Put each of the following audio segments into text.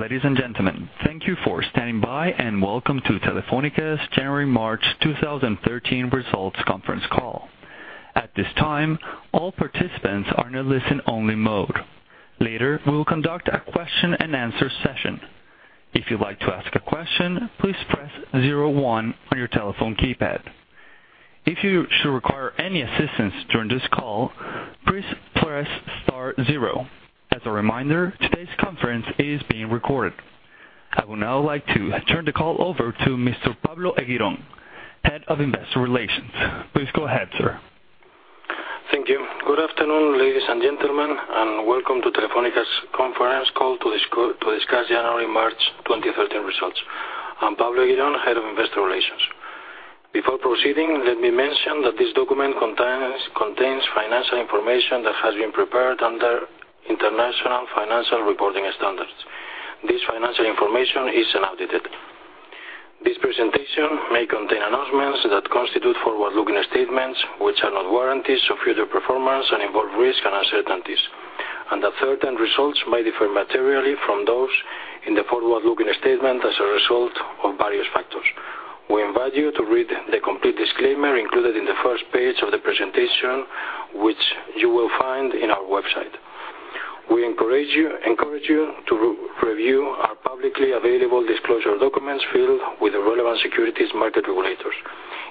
Ladies and gentlemen, thank you for standing by. Welcome to Telefónica's January-March 2013 results conference call. At this time, all participants are in a listen-only mode. Later, we will conduct a question-and-answer session. If you'd like to ask a question, please press 01 on your telephone keypad. If you should require any assistance during this call, please press star-zero. As a reminder, today's conference is being recorded. I would now like to turn the call over to Mr. Pablo Eguirón, Head of Investor Relations. Please go ahead, sir. Thank you. Good afternoon, ladies and gentlemen. Welcome to Telefónica's conference call to discuss January-March 2013 results. I'm Pablo Eguirón, Head of Investor Relations. Before proceeding, let me mention that this document contains financial information that has been prepared under International Financial Reporting Standards. This financial information is unaudited. This presentation may contain announcements that constitute forward-looking statements, which are not warranties of future performance and involve risk and uncertainties. Certain results may differ materially from those in the forward-looking statement as a result of various factors. We invite you to read the complete disclaimer included in the first page of the presentation, which you will find in our website. We encourage you to review our publicly available disclosure documents filled with the relevant securities market regulators.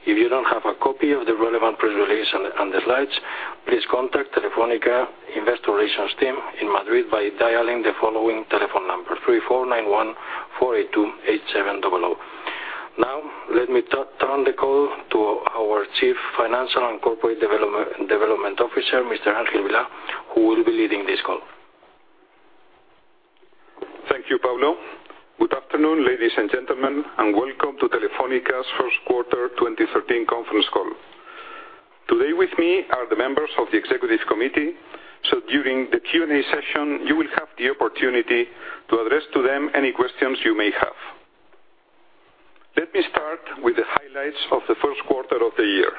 If you don't have a copy of the relevant press release and the slides, please contact Telefónica Investor Relations Team in Madrid by dialing the following telephone number, 34914828700. Let me turn the call to our Chief Financial and Corporate Development Officer, Mr. Ángel Vilá, who will be leading this call. Thank you, Pablo. Good afternoon, ladies and gentlemen. Welcome to Telefónica's first quarter 2013 conference call. Today with me are the members of the executive committee. During the Q&A session, you will have the opportunity to address to them any questions you may have. Let me start with the highlights of the first quarter of the year.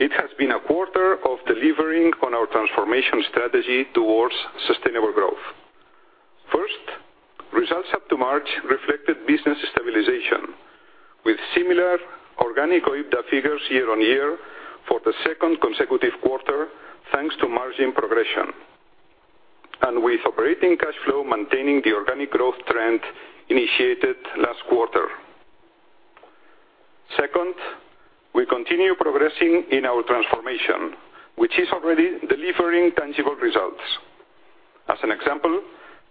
It has been a quarter of delivering on our transformation strategy towards sustainable growth. First, results up to March reflected business stabilization, with similar organic OIBDA figures year-on-year for the second consecutive quarter, thanks to margin progression. Operating cash flow maintaining the organic growth trend initiated last quarter. Second, we continue progressing in our transformation, which is already delivering tangible results. As an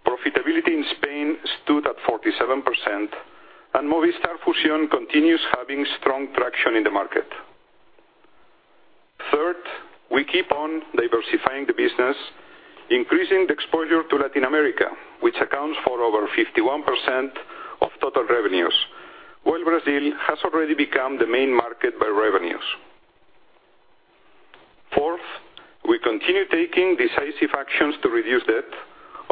example, profitability in Spain stood at 47%. Movistar Fusión continues having strong traction in the market. Third, we keep on diversifying the business, increasing the exposure to Latin America, which accounts for over 51% of total revenues, while Brazil has already become the main market by revenues. Fourth, we continue taking decisive actions to reduce debt,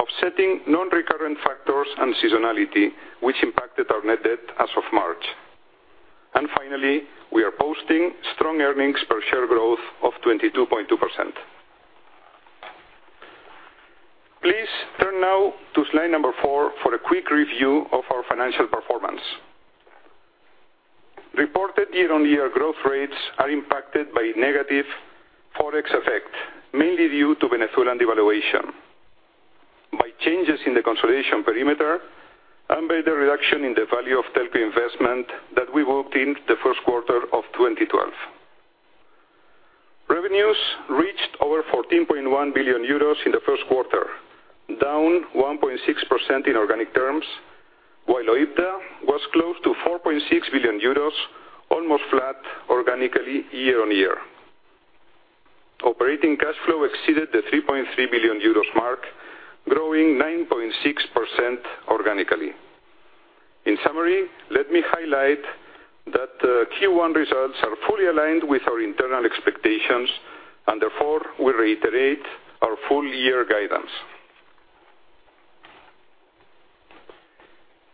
offsetting non-recurrent factors and seasonality, which impacted our net debt as of March. Finally, we are posting strong earnings per share growth of 22.2%. Please turn now to slide number four for a quick review of our financial performance. Reported year-on-year growth rates are impacted by negative Forex effect, mainly due to Venezuelan devaluation, by changes in the consolidation perimeter, and by the reduction in the value of Telco investment that we booked in the first quarter of 2012. Revenues reached over 14.1 billion euros in the first quarter, down 1.6% in organic terms, while OIBDA was close to 4.6 billion euros, almost flat organically year-on-year. Operating cash flow exceeded 3.3 billion euros, growing 9.6% organically. In summary, let me highlight that the Q1 results are fully aligned with our internal expectations, and therefore, we reiterate our full year guidance.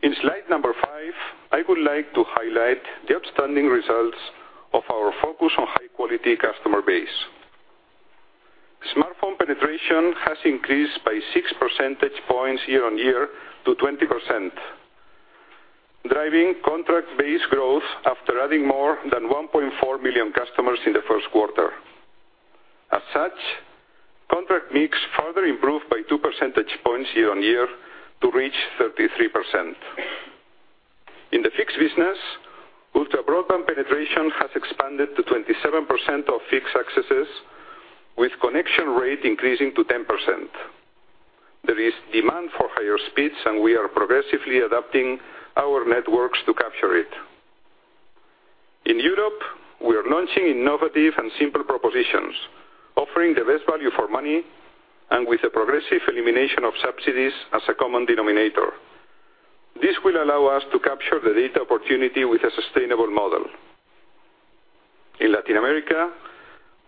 In slide number five, I would like to highlight the outstanding results of our focus on high-quality customer base. Smartphone penetration has increased by 6 percentage points year-on-year to 20%, driving contract-based growth after adding more than 1.4 million customers in the first quarter. As such, contract mix further improved by 2 percentage points year-on-year to reach 33%. In the fixed business, ultra-broadband penetration has expanded to 27% of fixed accesses, with connection rate increasing to 10%. There is demand for higher speeds, and we are progressively adapting our networks to capture it. In Europe, we are launching innovative and simple propositions, offering the best value for money, and with the progressive elimination of subsidies as a common denominator. This will allow us to capture the data opportunity with a sustainable model. In Latin America,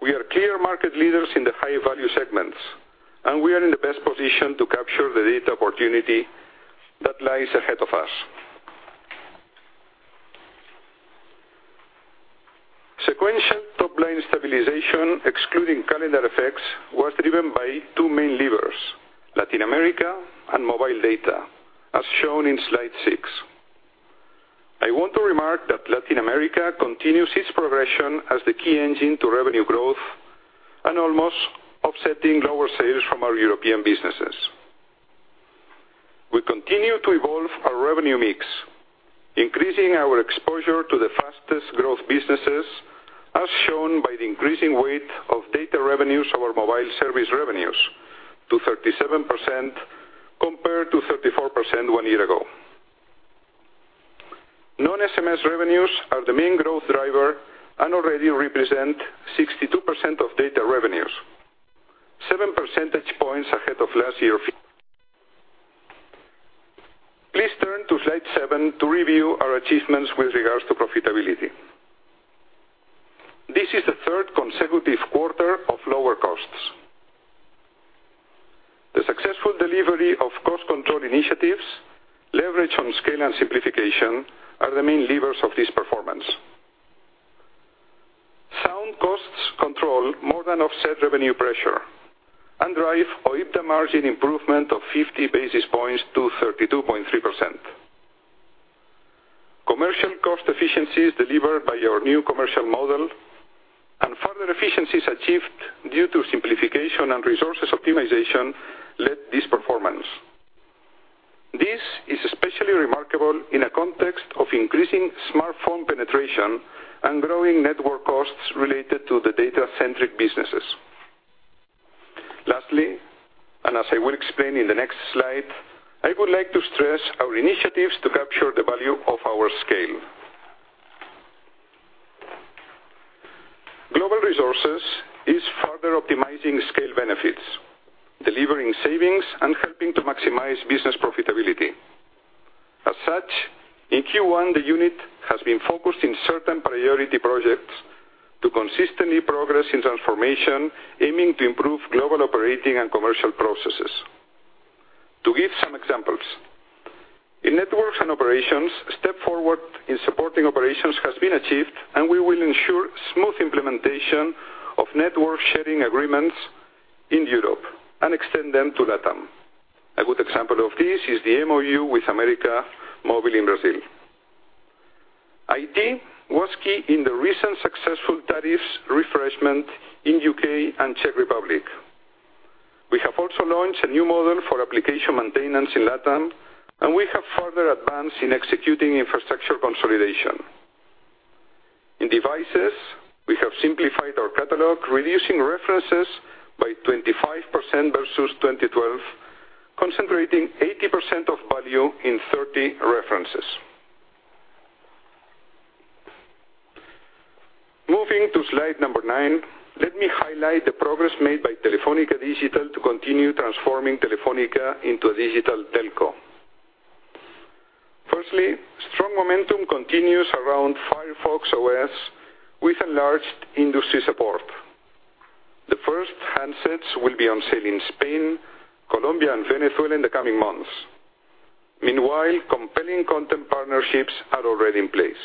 we are clear market leaders in the high-value segments, and we are in the best position to capture the data opportunity that lies ahead of us. Stabilization, excluding calendar effects, was driven by two main levers, Latin America and mobile data, as shown in slide six. I want to remark that Latin America continues its progression as the key engine to revenue growth and almost offsetting lower sales from our European businesses. We continue to evolve our revenue mix, increasing our exposure to the fastest growth businesses, as shown by the increasing weight of data revenues over mobile service revenues to 37% compared to 34% one year ago. Non-SMS revenues are the main growth driver and already represent 62% of data revenues, seven percentage points ahead of last year. Please turn to slide seven to review our achievements with regards to profitability. This is the third consecutive quarter of lower costs. The successful delivery of cost control initiatives, leverage on scale and simplification are the main levers of this performance. Sound costs control more than offset revenue pressure and drive OIBDA margin improvement of 50 basis points to 32.3%. Commercial cost efficiencies delivered by our new commercial model and further efficiencies achieved due to simplification and resources optimization led this performance. This is especially remarkable in a context of increasing smartphone penetration and growing network costs related to the data-centric businesses. Lastly, as I will explain in the next slide, I would like to stress our initiatives to capture the value of our scale. Global Resources is further optimizing scale benefits, delivering savings, and helping to maximize business profitability. As such, in Q1, the unit has been focused in certain priority projects to consistently progress in transformation, aiming to improve global operating and commercial processes. To give some examples. In networks and operations, a step forward in supporting operations has been achieved, and we will ensure smooth implementation of network sharing agreements in Europe and extend them to LATAM. A good example of this is the MoU with América Móvil in Brazil. IT was key in the recent successful tariffs refreshment in U.K. and Czech Republic. We have also launched a new model for application maintenance in LATAM, and we have further advanced in executing infrastructure consolidation. In devices, we have simplified our catalog, reducing references by 25% versus 2012, concentrating 80% of value in 30 references. Moving to slide number nine, let me highlight the progress made by Telefónica Digital to continue transforming Telefónica into a digital telco. Firstly, strong momentum continues around Firefox OS with enlarged industry support. The first handsets will be on sale in Spain, Colombia, and Venezuela in the coming months. Meanwhile, compelling content partnerships are already in place.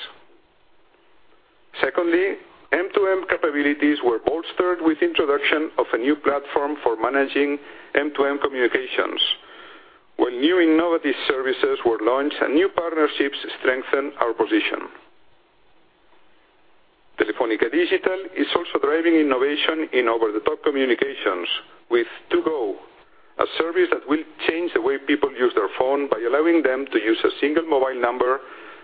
Secondly, M2M capabilities were bolstered with introduction of a new platform for managing M2M communications, where new innovative services were launched, and new partnerships strengthened our position. Telefónica Digital is also driving innovation in over-the-top communications with TU Go, a service that will change the way people use their phone by allowing them to use a single mobile number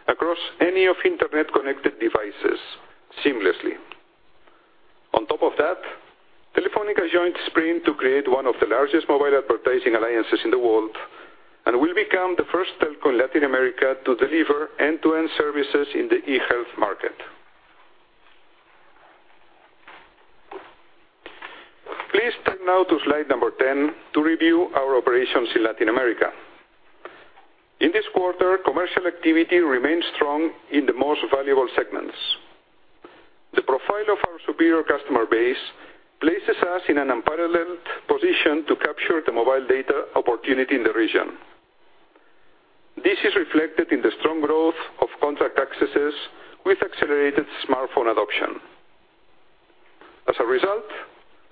across any of internet-connected devices seamlessly. On top of that, Telefónica joined Sprint to create one of the largest mobile advertising alliances in the world and will become the first telco in Latin America to deliver end-to-end services in the e-health market. Please turn now to slide number 10 to review our operations in Latin America. In this quarter, commercial activity remained strong in the most valuable segments. The profile of our superior customer base places us in an unparalleled position to capture the mobile data opportunity in the region. This is reflected in the strong growth of contract accesses with accelerated smartphone adoption. As a result,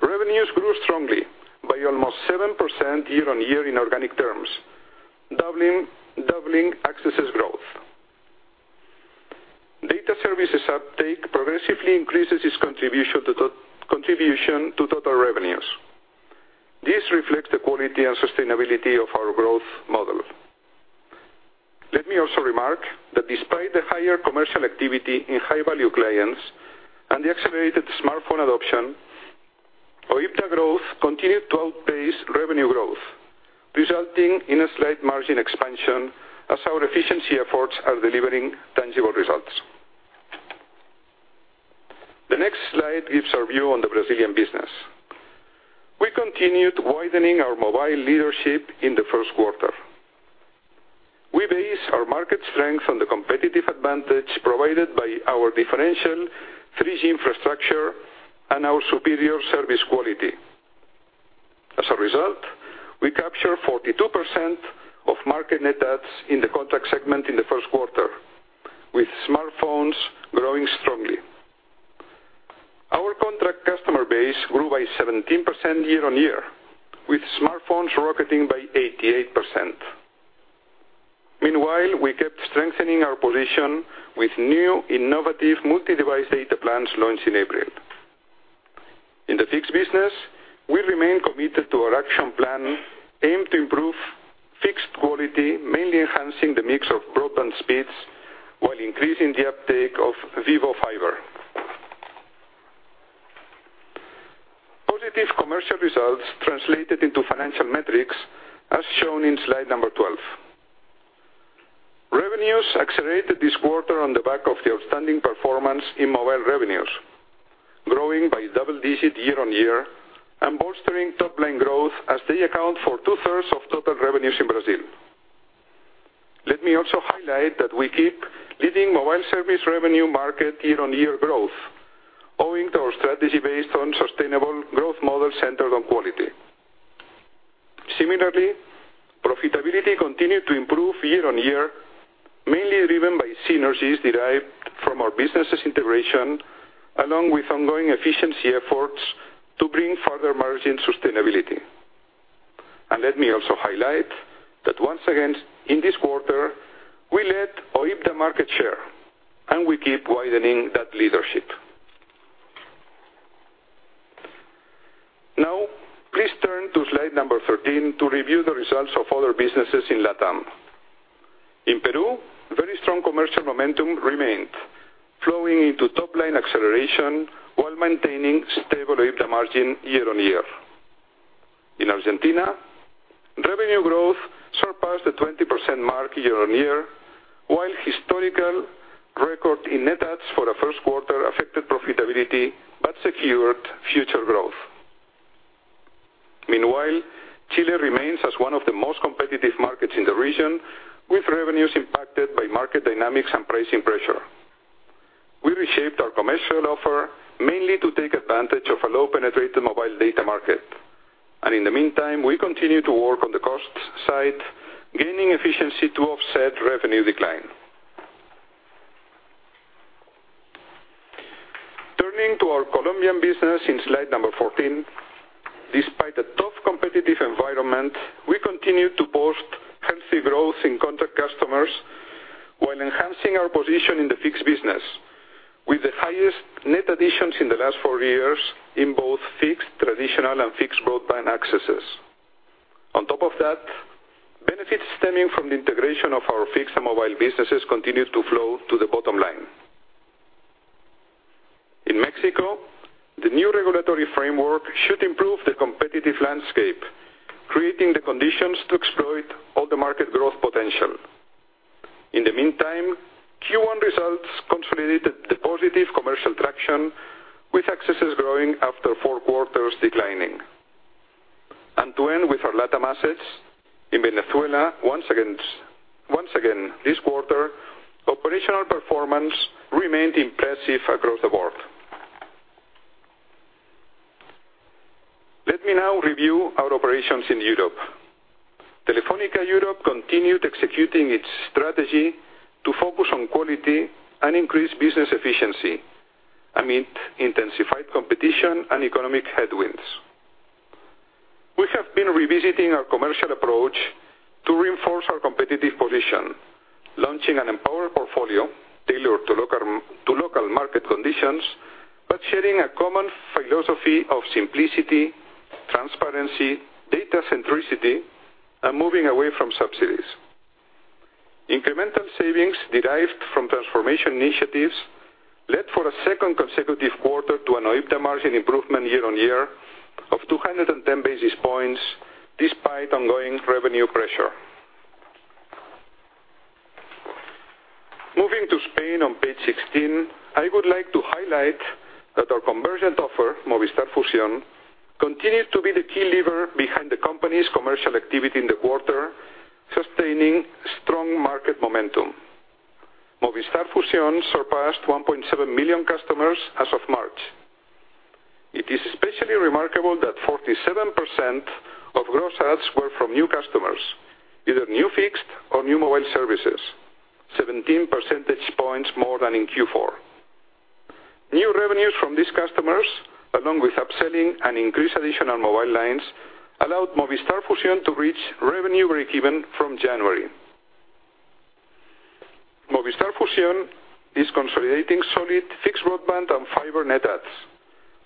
revenues grew strongly by almost 7% year on year in organic terms, doubling accesses growth. Data services uptake progressively increases its contribution to total revenues. This reflects the quality and sustainability of our growth model. Let me also remark that despite the higher commercial activity in high-value clients and the accelerated smartphone adoption, OIBDA growth continued to outpace revenue growth, resulting in a slight margin expansion as our efficiency efforts are delivering tangible results. The next slide gives our view on the Brazilian business. We continued widening our mobile leadership in the first quarter. We base our market strength on the competitive advantage provided by our differential 3G infrastructure and our superior service quality. As a result, we captured 42% of market net adds in the contract segment in the first quarter, with smartphones growing strongly. Our contract customer base grew by 17% year-on-year, with smartphones rocketing by 88%. Meanwhile, we kept strengthening our position with new innovative multi-device data plans launched in April. In the fixed business, we remain committed to our action plan aimed to improve fixed quality, mainly enhancing the mix of broadband speeds while increasing the uptake of Vivo Fibra. Positive commercial results translated into financial metrics, as shown in slide 12. Revenues accelerated this quarter on the back of the outstanding performance in mobile revenues, growing by double-digit year-on-year and bolstering top line growth as they account for two-thirds of total revenues in Brazil. Let me also highlight that we keep leading mobile service revenue market year-on-year growth owing to our strategy based on sustainable growth model centered on quality. Similarly, profitability continued to improve year-on-year, mainly driven by synergies derived from our businesses integration, along with ongoing efficiency efforts to bring further margin sustainability. Let me also highlight that once again, in this quarter, we led OIBDA market share, and we keep widening that leadership. Now, please turn to slide 13 to review the results of other businesses in LATAM. In Peru, very strong commercial momentum remained, flowing into top line acceleration while maintaining stable OIBDA margin year-on-year. In Argentina, revenue growth surpassed the 20% mark year-on-year, while historical record in net adds for a first quarter affected profitability but secured future growth. Meanwhile, Chile remains as one of the most competitive markets in the region, with revenues impacted by market dynamics and pricing pressure. We reshaped our commercial offer mainly to take advantage of a low penetrated mobile data market. In the meantime, we continue to work on the cost side, gaining efficiency to offset revenue decline. Turning to our Colombian business in slide 14. Despite a tough competitive environment, we continue to post healthy growth in contract customers while enhancing our position in the fixed business, with the highest net additions in the last four years in both fixed traditional and fixed broadband accesses. On top of that, benefits stemming from the integration of our fixed and mobile businesses continued to flow to the bottom line. In Mexico, the new regulatory framework should improve the competitive landscape, creating the conditions to exploit all the market growth potential. In the meantime, Q1 results consolidated the positive commercial traction, with accesses growing after four quarters declining. To end with our LATAM assets in Venezuela, once again, this quarter, operational performance remained impressive across the board. Let me now review our operations in Europe. Telefónica Europe continued executing its strategy to focus on quality and increase business efficiency amid intensified competition and economic headwinds. We have been revisiting our commercial approach to reinforce our competitive position, launching an empowered portfolio tailored to local market conditions, but sharing a common philosophy of simplicity, transparency, data centricity, and moving away from subsidies. Incremental savings derived from transformation initiatives led for a second consecutive quarter to an OIBDA margin improvement year-on-year of 210 basis points, despite ongoing revenue pressure. Moving to Spain on page 16, I would like to highlight that our convergent offer, Movistar Fusión, continued to be the key lever behind the company's commercial activity in the quarter, sustaining strong market momentum. Movistar Fusión surpassed 1.7 million customers as of March. It is especially remarkable that 47% of gross adds were from new customers, either new fixed or new mobile services, 17 percentage points more than in Q4. New revenues from these customers, along with upselling and increased additional mobile lines, allowed Movistar Fusión to reach revenue breakeven from January. Movistar Fusión is consolidating solid fixed broadband and fiber net adds,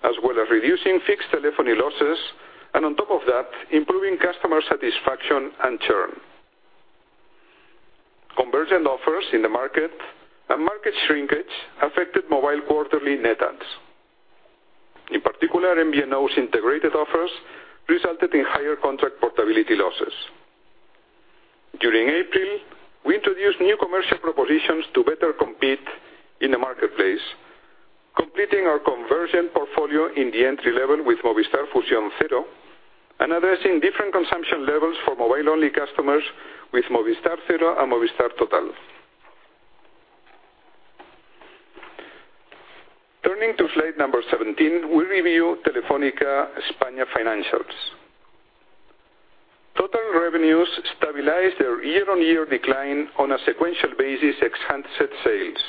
as well as reducing fixed telephony losses, and on top of that, improving customer satisfaction and churn. Convergent offers in the market and market shrinkage affected mobile quarterly net adds. In particular, MVNO's integrated offers resulted in higher contract portability losses. During April, we introduced new commercial propositions to better compete in the marketplace, completing our convergent portfolio in the entry level with Movistar Fusión Cero and addressing different consumption levels for mobile-only customers with Movistar Cero and Movistar Total. Turning to slide number 17, we review Telefónica España financials. Total revenues stabilized their year-on-year decline on a sequential basis, ex handset sales,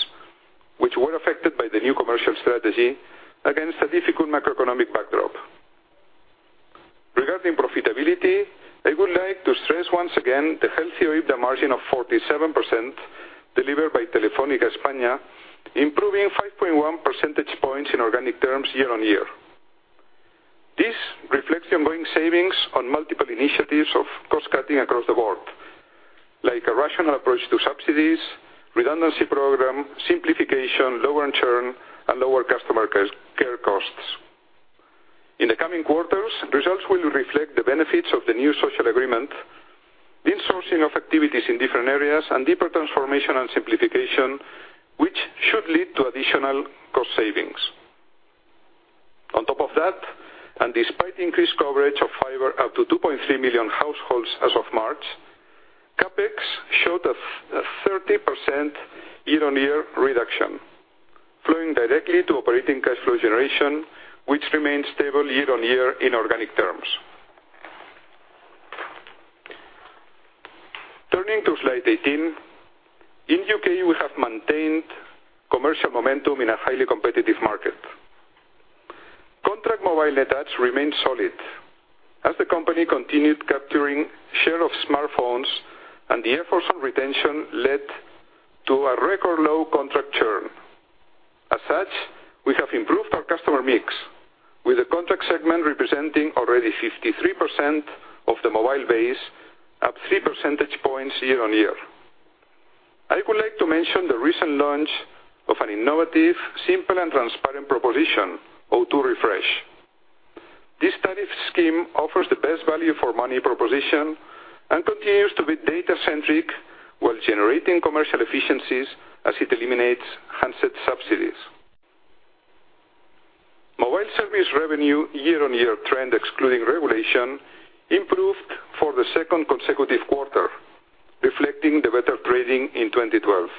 which were affected by the new commercial strategy against a difficult macroeconomic backdrop. Regarding profitability, I would like to stress once again the healthy OIBDA margin of 47% delivered by Telefónica España, improving 5.1 percentage points in organic terms year-on-year. This reflects the ongoing savings on multiple initiatives of cost-cutting across the board, like a rational approach to subsidies, redundancy program, simplification, lower churn, and lower customer care costs. In the coming quarters, results will reflect the benefits of the new social agreement, the outsourcing of activities in different areas, and deeper transformation and simplification, which should lead to additional cost savings. On top of that, and despite increased coverage of fiber up to 2.3 million households as of March, CapEx showed a 30% year-on-year reduction, flowing directly to operating cash flow generation, which remains stable year-on-year in organic terms. Turning to slide 18, in U.K., we have maintained commercial momentum in a highly competitive market. Contract mobile net adds remained solid as the company continued capturing share of smartphones and the efforts on retention led to a record low contract churn. As such, we have improved our customer mix, with the contract segment representing already 53% of the mobile base, up three percentage points year-on-year. I would like to mention the recent launch of an innovative, simple, and transparent proposition, O2 Refresh. This tariff scheme offers the best value for money proposition and continues to be data-centric while generating commercial efficiencies as it eliminates handset subsidies. Mobile service revenue year-on-year trend excluding regulation improved for the second consecutive quarter, reflecting the better trading in 2012.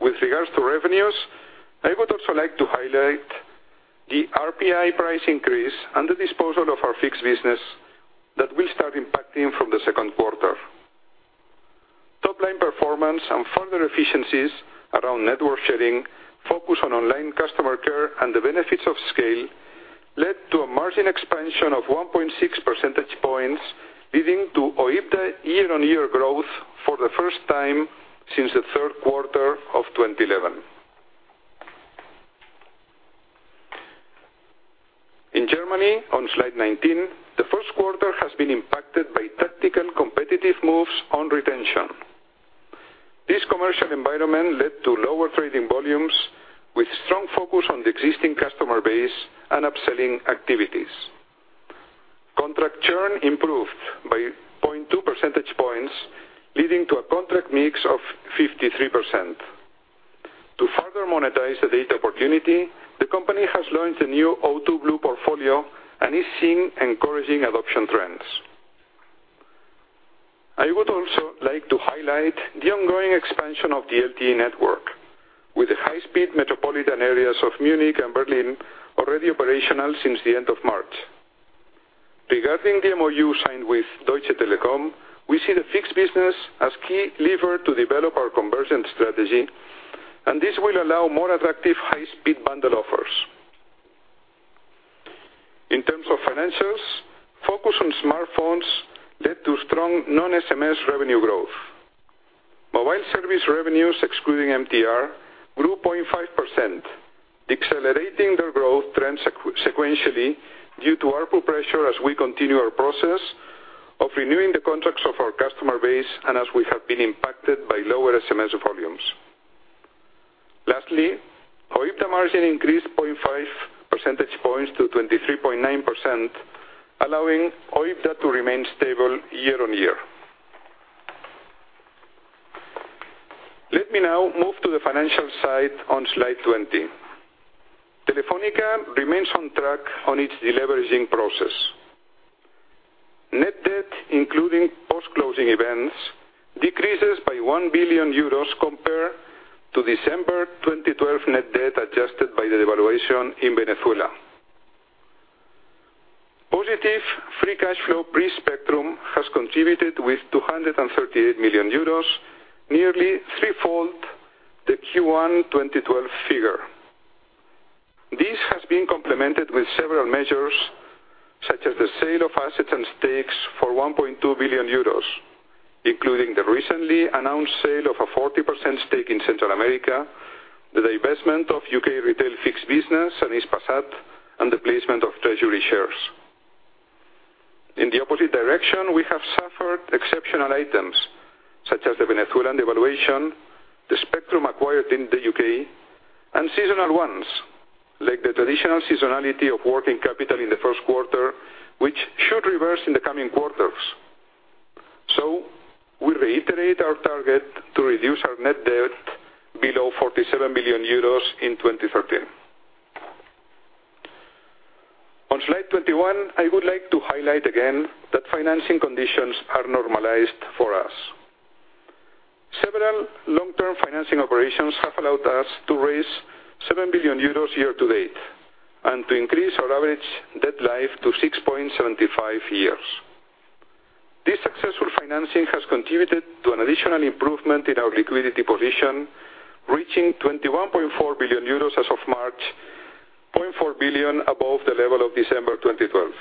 With regards to revenues, I would also like to highlight the RPI price increase and the disposal of our fixed business that will start impacting from the second quarter. Topline performance and further efficiencies around network sharing, focus on online customer care, and the benefits of scale led to a margin expansion of 1.6 percentage points, leading to OIBDA year-on-year growth for the first time since the third quarter of 2011. In Germany, on slide 19, the first quarter has been impacted by tactical competitive moves on retention. This commercial environment led to lower trading volumes with strong focus on the existing customer base and upselling activities. Contract churn improved by 0.2 percentage points, leading to a contract mix of 53%. To further monetize the data opportunity, the company has launched a new O2 Blue portfolio and is seeing encouraging adoption trends. I would also like to highlight the ongoing expansion of the LTE network with the high-speed metropolitan areas of Munich and Berlin already operational since the end of March. Regarding the MOU signed with Deutsche Telekom, we see the fixed business as key lever to develop our conversion strategy, and this will allow more attractive high-speed bundle offers. In terms of financials, focus on smartphones led to strong non-SMS revenue growth. Mobile service revenues excluding MTR grew 0.5%, accelerating their growth trend sequentially due to ARPU pressure as we continue our process of renewing the contracts of our customer base and as we have been impacted by lower SMS volumes. Lastly, OIBDA margin increased 0.5 percentage points to 23.9%, allowing OIBDA to remain stable year-on-year. Let me now move to the financial side on slide 20. Telefónica remains on track on its deleveraging process. Net debt, including post-closing events, decreases by 1 billion euros compared to December 2012 net debt adjusted by the devaluation in Venezuela. Positive free cash flow pre-spectrum has contributed with 238 million euros, nearly threefold the Q1 2012 figure. This has been complemented with several measures, such as the sale of assets and stakes for 1.2 billion euros, including the recently announced sale of a 40% stake in Central America, the divestment of U.K. retail fixed business and Hispasat, and the placement of treasury shares. In the opposite direction, we have suffered exceptional items, such as the Venezuelan devaluation, the spectrum acquired in the U.K., and seasonal ones, like the traditional seasonality of working capital in the first quarter, which should reverse in the coming quarters. We reiterate our target to reduce our net debt below 47 billion euros in 2013. On slide 21, I would like to highlight again that financing conditions are normalized for us. Several long-term financing operations have allowed us to raise 7 billion euros year to date, and to increase our average debt life to 6.75 years. This successful financing has contributed to an additional improvement in our liquidity position, reaching 21.4 billion euros as of March, 0.4 billion above the level of December 2012.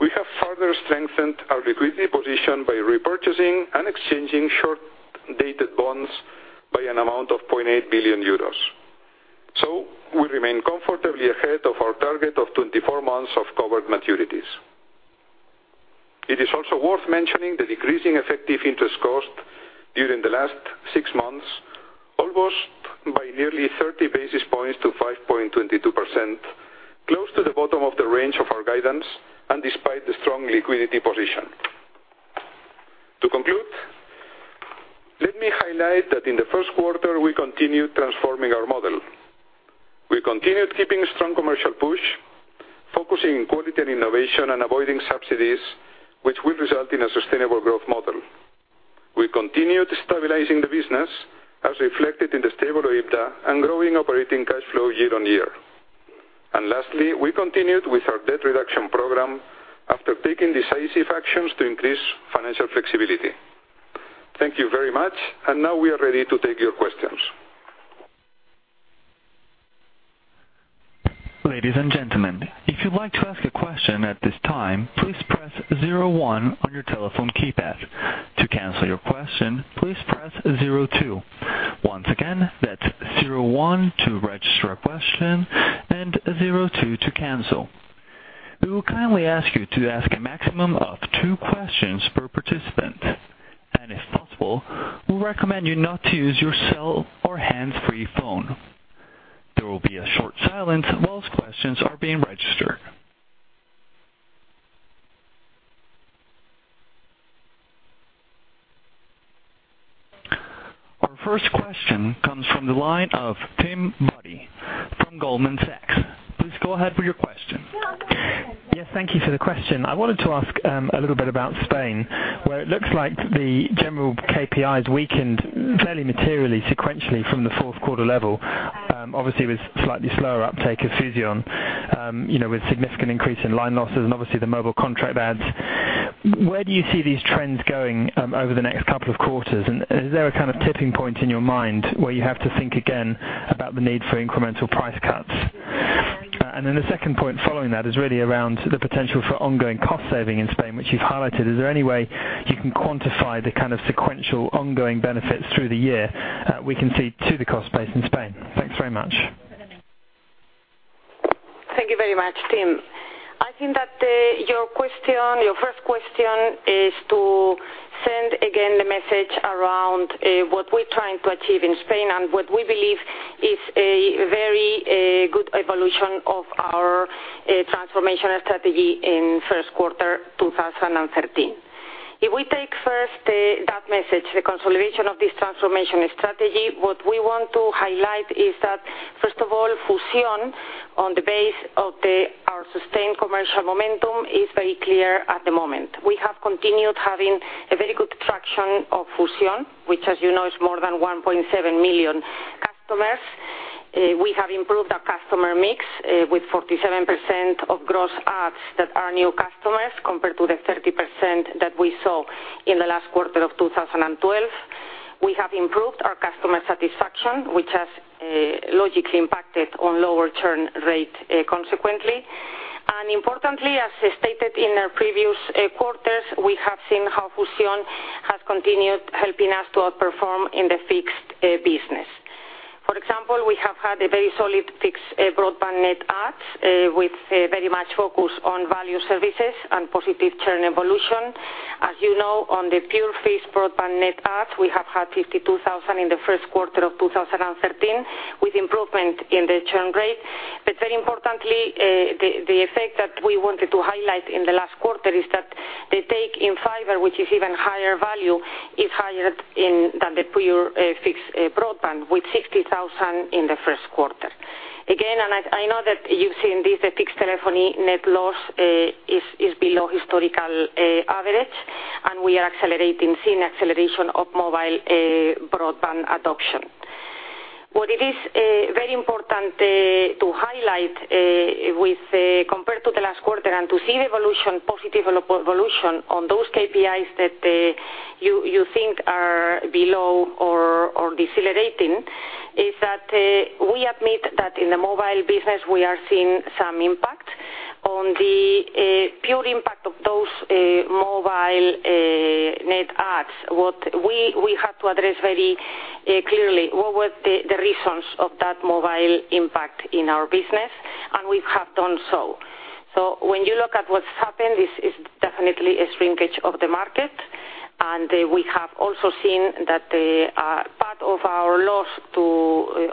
We have further strengthened our liquidity position by repurchasing and exchanging short-dated bonds by an amount of 0.8 billion euros. We remain comfortably ahead of our target of 24 months of covered maturities. It is also worth mentioning the decreasing effective interest cost during the last six months, almost by nearly 30 basis points to 5.22%, close to the bottom of the range of our guidance and despite the strong liquidity position. To conclude, let me highlight that in the first quarter, we continued transforming our model. We continued keeping strong commercial push, focusing on quality and innovation and avoiding subsidies, which will result in a sustainable growth model. We continued stabilizing the business as reflected in the stable OIBDA and growing operating cash flow year-on-year. Lastly, we continued with our debt reduction program after taking decisive actions to increase financial flexibility. Thank you very much, and now we are ready to take your questions. Ladies and gentlemen, if you'd like to ask a question at this time, please press 01 on your telephone keypad. To cancel your question, please press 02. Once again, that's 01 to register a question and 02 to cancel. We will kindly ask you to ask a maximum of two questions per participant. If possible, we recommend you not to use your cell or hands-free phone. There will be a short silence whilst questions are being registered. Our first question comes from the line of Tim Boddy from Goldman Sachs. Please go ahead with your question. Yes, thank you for the question. I wanted to ask a little bit about Spain, where it looks like the general KPI is weakened fairly materially sequentially from the fourth quarter level, obviously with slightly slower uptake of Fusión, with significant increase in line losses and obviously the mobile contract adds. Where do you see these trends going over the next couple of quarters? Is there a tipping point in your mind where you have to think again about the need for incremental price cuts? The second point following that is really around the potential for ongoing cost saving in Spain, which you've highlighted. Is there any way you can quantify the kind of sequential ongoing benefits through the year we can see to the cost base in Spain? Thanks very much. Thank you very much, Tim. I think that your first question is to send again the message around what we're trying to achieve in Spain and what we believe is a very good evolution of our transformation strategy in first quarter 2013. If we take first that message, the consolidation of this transformation strategy, what we want to highlight is that, first of all, Fusión on the base of our sustained commercial momentum is very clear at the moment. We have continued having a very good traction of Fusión, which, as you know, is more than 1.7 million customers. We have improved our customer mix with 47% of gross adds that are new customers compared to the 30% that we saw in the last quarter of 2012. We have improved our customer satisfaction, which has logically impacted on lower churn rate consequently. Importantly, as stated in our previous quarters, we have seen how Fusión has continued helping us to outperform in the fixed business. For example, we have had a very solid fixed broadband net adds, with very much focus on value services and positive churn evolution. As you know, on the pure fixed broadband net adds, we have had 52,000 in the first quarter of 2013, with improvement in the churn rate. Very importantly, the effect that we wanted to highlight in the last quarter is that the take in fiber, which is even higher value, is higher than the pure fixed broadband, with 60,000 in the first quarter. Again, I know that you've seen this, the fixed telephony net loss is below historical average, and we are seeing acceleration of mobile broadband adoption. What it is very important to highlight with compared to the last quarter and to see the positive evolution on those KPIs that you think are below or decelerating, is that we admit that in the mobile business, we are seeing some impact. On the pure impact of those mobile net adds, what we have to address very clearly, what were the reasons of that mobile impact in our business, and we have done so. When you look at what's happened, this is definitely a shrinkage of the market. We have also seen that part of our loss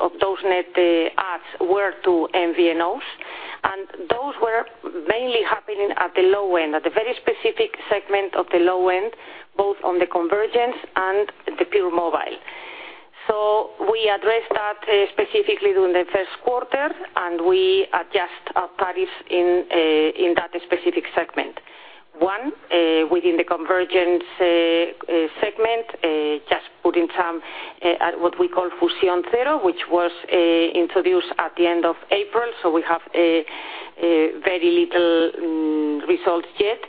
of those net adds were to MVNOs, and those were mainly happening at the low end, at the very specific segment of the low end, both on the convergence and the pure mobile. We addressed that specifically during the first quarter, and we adjust our tariffs in that specific segment. One, within the convergence segment, just putting some at what we call Fusión Cero, which was introduced at the end of April, so we have very little results yet.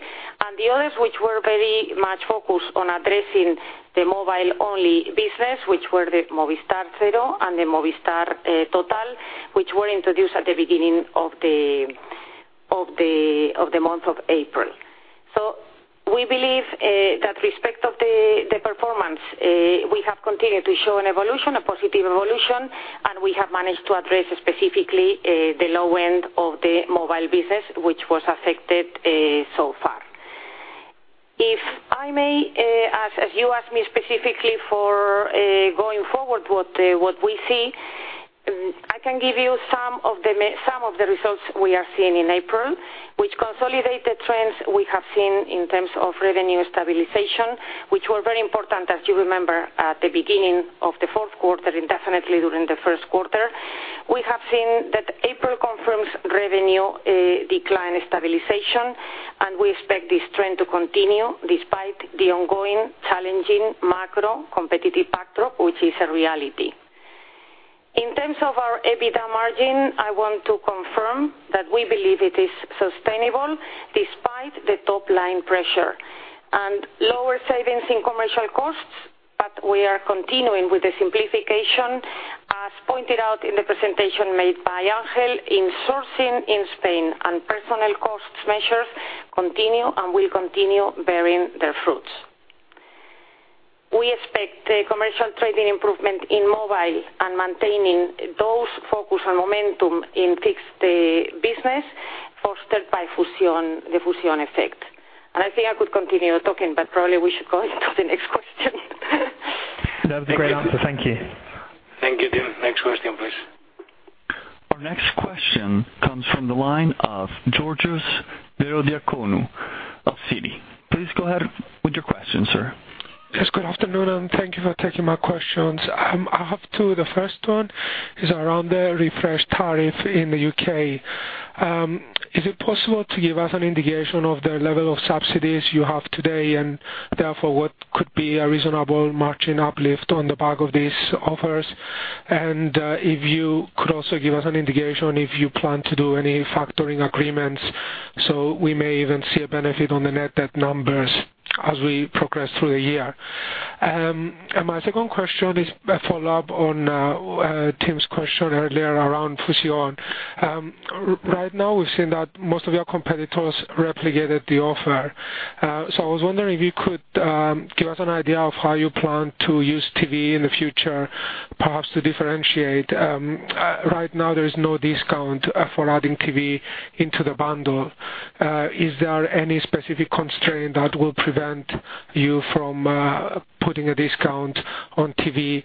The others, which were very much focused on addressing the mobile-only business, which were the Movistar Cero and the Movistar Total, which were introduced at the beginning of the month of April. We believe that respect of the performance, we have continued to show an evolution, a positive evolution, and we have managed to address specifically the low end of the mobile business, which was affected so far. If I may, as you asked me specifically for going forward, what we see, I can give you some of the results we are seeing in April, which consolidate the trends we have seen in terms of revenue stabilization, which were very important, as you remember, at the beginning of the fourth quarter and definitely during the first quarter. We have seen that April confirms revenue decline stabilization, and we expect this trend to continue despite the ongoing challenging macro competitive backdrop, which is a reality. In terms of our EBITDA margin, I want to confirm that we believe it is sustainable despite the top-line pressure and lower savings in commercial costs, but we are continuing with the simplification, as pointed out in the presentation made by Ángel in sourcing in Spain, and personal costs measures continue and will continue bearing their fruits. We expect commercial trading improvement in mobile and maintaining those focus and momentum in fixed business fostered by the Fusión effect. I think I could continue talking, but probably we should go into the next question. That was a great answer. Thank you. Thank you, Tim. Next question, please. Our next question comes from the line of Georgios Ierodiaconou of Citi. Please go ahead with your question, sir. Yes, good afternoon, and thank you for taking my questions. I have two. The first one is around the O2 Refresh tariff in the U.K. Is it possible to give us an indication of the level of subsidies you have today, and therefore, what could be a reasonable margin uplift on the back of these offers? If you could also give us an indication if you plan to do any factoring agreements, so we may even see a benefit on the net debt numbers as we progress through the year. My second question is a follow-up on Tim's question earlier around Movistar Fusión. Right now, we've seen that most of your competitors replicated the offer. I was wondering if you could give us an idea of how you plan to use Movistar TV in the future, perhaps to differentiate. Right now, there is no discount for adding TV into the bundle. Is there any specific constraint that will prevent you from putting a discount on TV?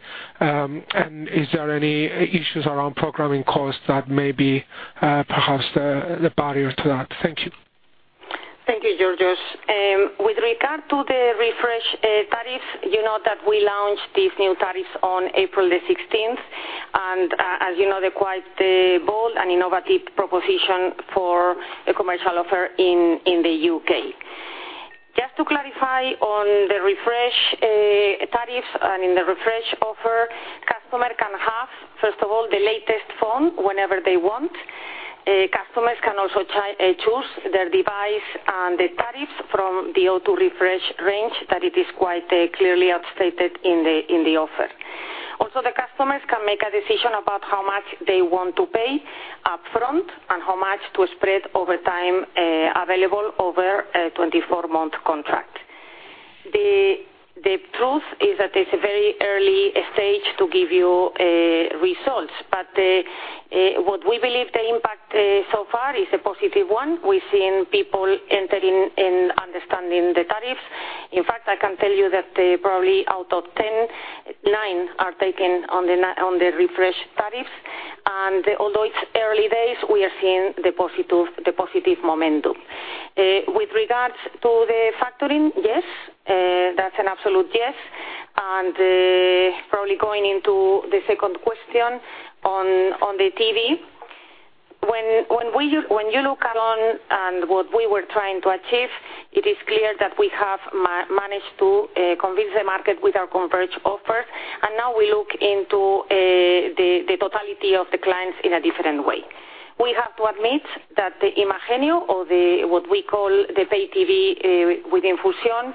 Is there any issues around programming costs that may be perhaps the barrier to that? Thank you. Thank you, Georgios. With regard to the Refresh tariff, you know that we launched these new tariffs on April 16th, and as you know, they're quite the bold and innovative proposition for a commercial offer in the U.K. Just to clarify on the Refresh tariffs and in the Refresh offer, customer can have, first of all, the latest phone whenever they want. Customers can also choose their device and the tariffs from the O2 Refresh range that it is quite clearly overstated in the offer. Also, the customers can make a decision about how much they want to pay up front and how much to spread over time available over a 24-month contract. The truth is that it's a very early stage to give you results, but what we believe the impact so far is a positive one. We've seen people entering and understanding the tariffs. I can tell you that probably out of 10, nine are taken on the Refresh tariffs. Although it's early days, we are seeing the positive momentum. With regards to the factoring, yes. That's an absolute yes. Probably going into the second question on the TV. When you look at on and what we were trying to achieve, it is clear that we have managed to convince the market with our converged offer, and now we look into the totality of the clients in a different way. We have to admit that the Imagenio or what we call the pay TV within Fusión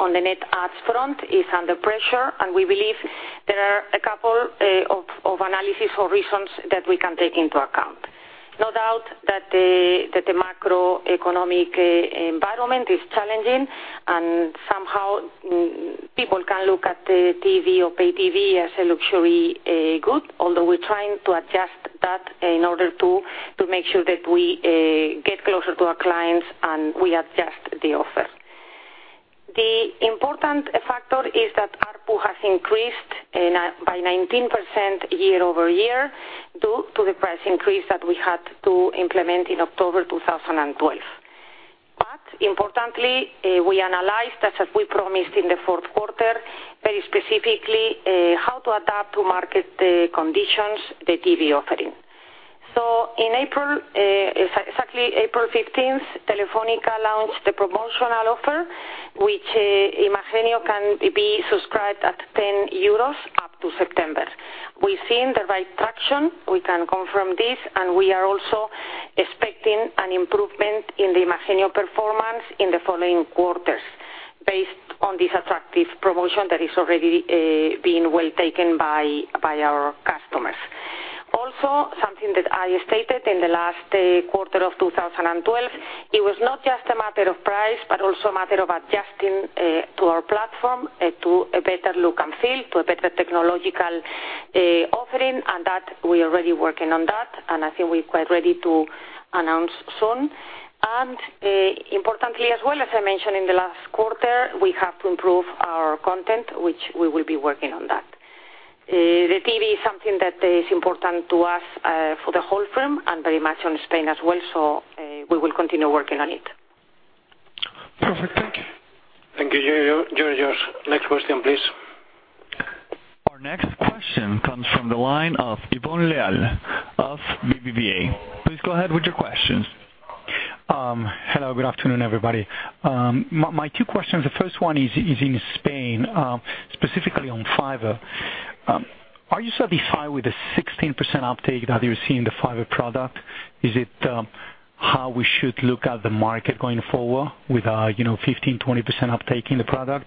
on the net adds front is under pressure, and we believe there are a couple of analysis or reasons that we can take into account. No doubt that the macroeconomic environment is challenging, somehow people can look at the TV or pay TV as a luxury good, although we're trying to adjust that in order to make sure that we get closer to our clients and we adjust the offer. The important factor is that ARPU has increased by 19% year-over-year due to the price increase that we had to implement in October 2012. Importantly, we analyzed, as we promised in the fourth quarter, very specifically how to adapt to market conditions the TV offering. So in April, exactly April 15th, Telefónica launched the promotional offer, which Imagenio can be subscribed at 10 euros up to September. We've seen the right traction. We can confirm this, and we are also expecting an improvement in the Imagenio performance in the following quarters based on this attractive promotion that is already being well-taken by our customers. Also, something that I stated in the last quarter of 2012, it was not just a matter of price, but also a matter of adjusting to our platform to a better look and feel, to a better technological offering, and that we are already working on that. I think we are quite ready to announce soon. Importantly as well, as I mentioned in the last quarter, we have to improve our content, which we will be working on that. The TV is something that is important to us, for the whole firm and very much in Spain as well. So, we will continue working on it. Perfect. Thank you. Thank you, Georgios. Next question, please. Our next question comes from the line of Ivón Leal of BBVA. Please go ahead with your questions. Hello, good afternoon, everybody. My two questions. The first one is in Spain, specifically on fiber. Are you satisfied with the 16% uptake that you see in the fiber product? Is it how we should look at the market going forward with 15%-20% uptake in the product?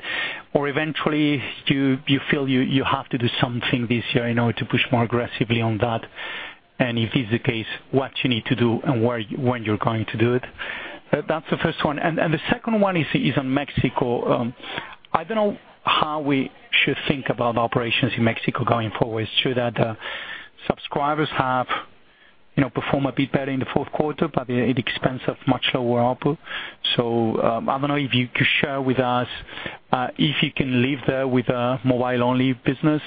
Eventually, do you feel you have to do something this year in order to push more aggressively on that? If this is the case, what you need to do and when you're going to do it? That's the first one. The second one is on Mexico. I don't know how we should think about operations in Mexico going forward. True that subscribers have performed a bit better in the fourth quarter, at the expense of much lower ARPU. I don't know if you could share with us if you can live there with a mobile-only business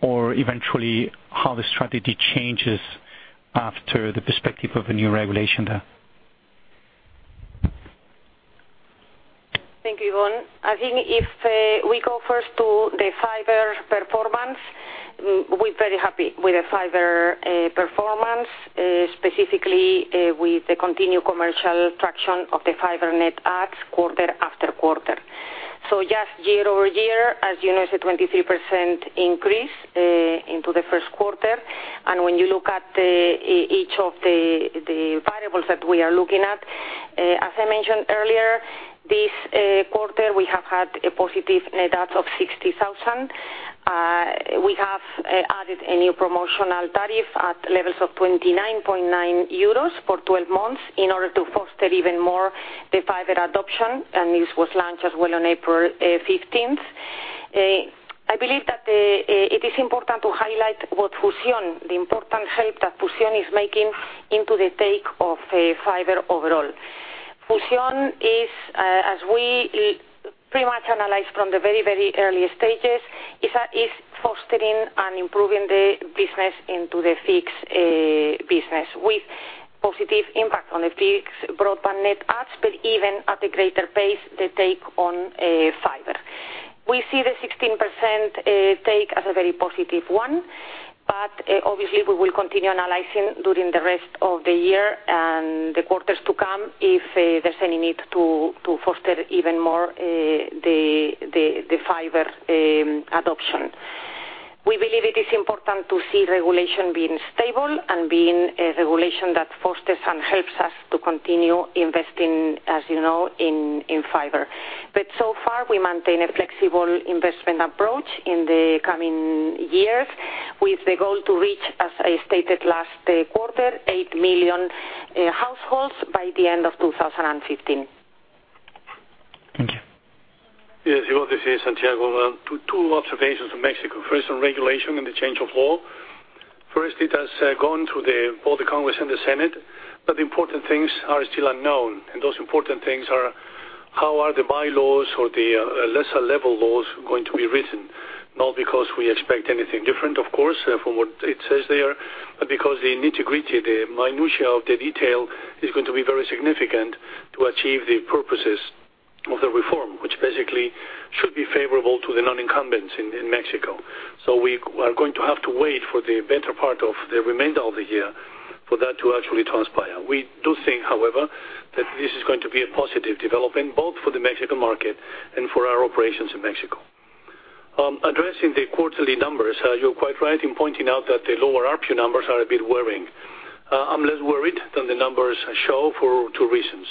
or eventually how the strategy changes after the perspective of a new regulation there. Thank you, Ivón. I think if we go first to the fiber performance, we're very happy with the fiber performance, specifically with the continued commercial traction of the fiber net adds quarter after quarter. Just year-over-year, as you know, it's a 23% increase, into the first quarter. When you look at each of the variables that we are looking at, as I mentioned earlier, this quarter, we have had a positive net add of 60,000. We have added a new promotional tariff at levels of 29.9 euros for 12 months in order to foster even more the fiber adoption, this was launched as well on April 15th. I believe that it is important to highlight what Fusión, the important help that Fusión is making into the take of fiber overall. Fusión is, as we pretty much analyzed from the very early stages, is fostering and improving the business into the fixed business with positive impact on the fixed broadband net adds, even at a greater pace, the take on fiber. We see the 16% take as a very positive one, obviously, we will continue analyzing during the rest of the year and the quarters to come if there's any need to foster even more the fiber adoption. We believe it is important to see regulation being stable and being a regulation that fosters and helps us to continue investing, as you know, in fiber. So far, we maintain a flexible investment approach in the coming years with the goal to reach, as I stated last quarter, 8 million households by the end of 2015. Thank you. Yes, Ivón, this is Santiago. Two observations on Mexico. On regulation and the change of law. First, it has gone through both the Congress and the Senate, but the important things are still unknown. Those important things are how are the bylaws or the lesser level laws going to be written? Not because we expect anything different, of course, from what it says there, but because the nitty-gritty, the minutiae of the detail is going to be very significant to achieve the purposes of the reform, which basically should be favorable to the non-incumbents in Mexico. We are going to have to wait for the better part of the remainder of the year for that to actually transpire. We do think, however, that this is going to be a positive development, both for the Mexican market and for our operations in Mexico. Addressing the quarterly numbers, you're quite right in pointing out that the lower ARPU numbers are a bit worrying. I'm less worried than the numbers show for two reasons.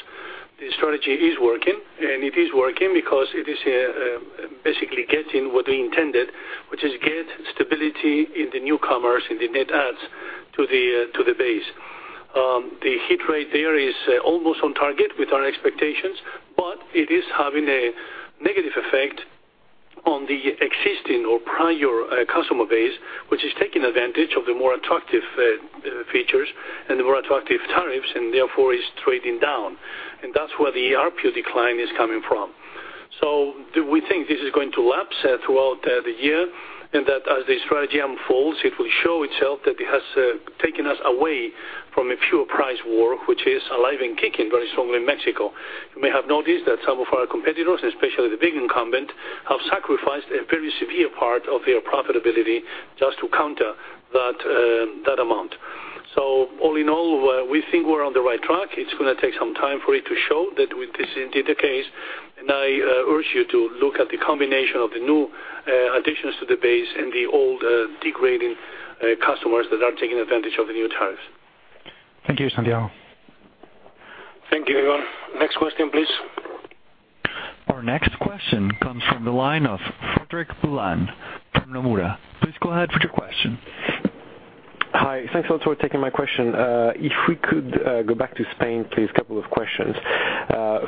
The strategy is working, and it is working because it is basically getting what we intended, which is get stability in the newcomers, in the net adds to the base. The hit rate there is almost on target with our expectations, but it is having a negative effect on the existing or prior customer base, which is taking advantage of the more attractive features and the more attractive tariffs, and therefore is trading down. That's where the ARPU decline is coming from. Do we think this is going to lapse throughout the year, and that as the strategy unfolds, it will show itself that it has taken us away from a pure price war, which is alive and kicking very strongly in Mexico? You may have noticed that some of our competitors, especially the big incumbent, have sacrificed a very severe part of their profitability just to counter that amount. All in all, we think we're on the right track. It's going to take some time for it to show that this is indeed the case, and I urge you to look at the combination of the new additions to the base and the old degrading customers that are taking advantage of the new tariff. Thank you, Santiago. Thank you, everyone. Next question, please. Our next question comes from the line of Frederic Boulan, Nomura. Please go ahead with your question. Hi. Thanks a lot for taking my question. If we could go back to Spain, please, couple of questions.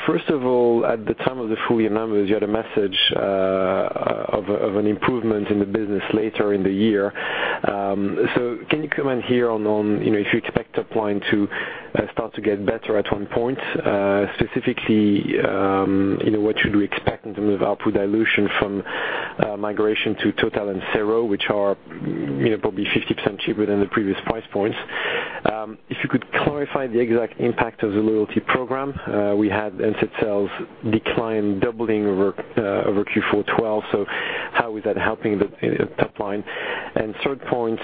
First of all, at the time of the full year numbers, you had a message of an improvement in the business later in the year. Can you comment here on if you expect top line to start to get better at one point, specifically, what should we expect in terms of output dilution from migration to Total and Zero, which are probably 50% cheaper than the previous price points? If you could clarify the exact impact of the loyalty program. We had net sales decline doubling over Q4 2012, how is that helping the top line? Third point,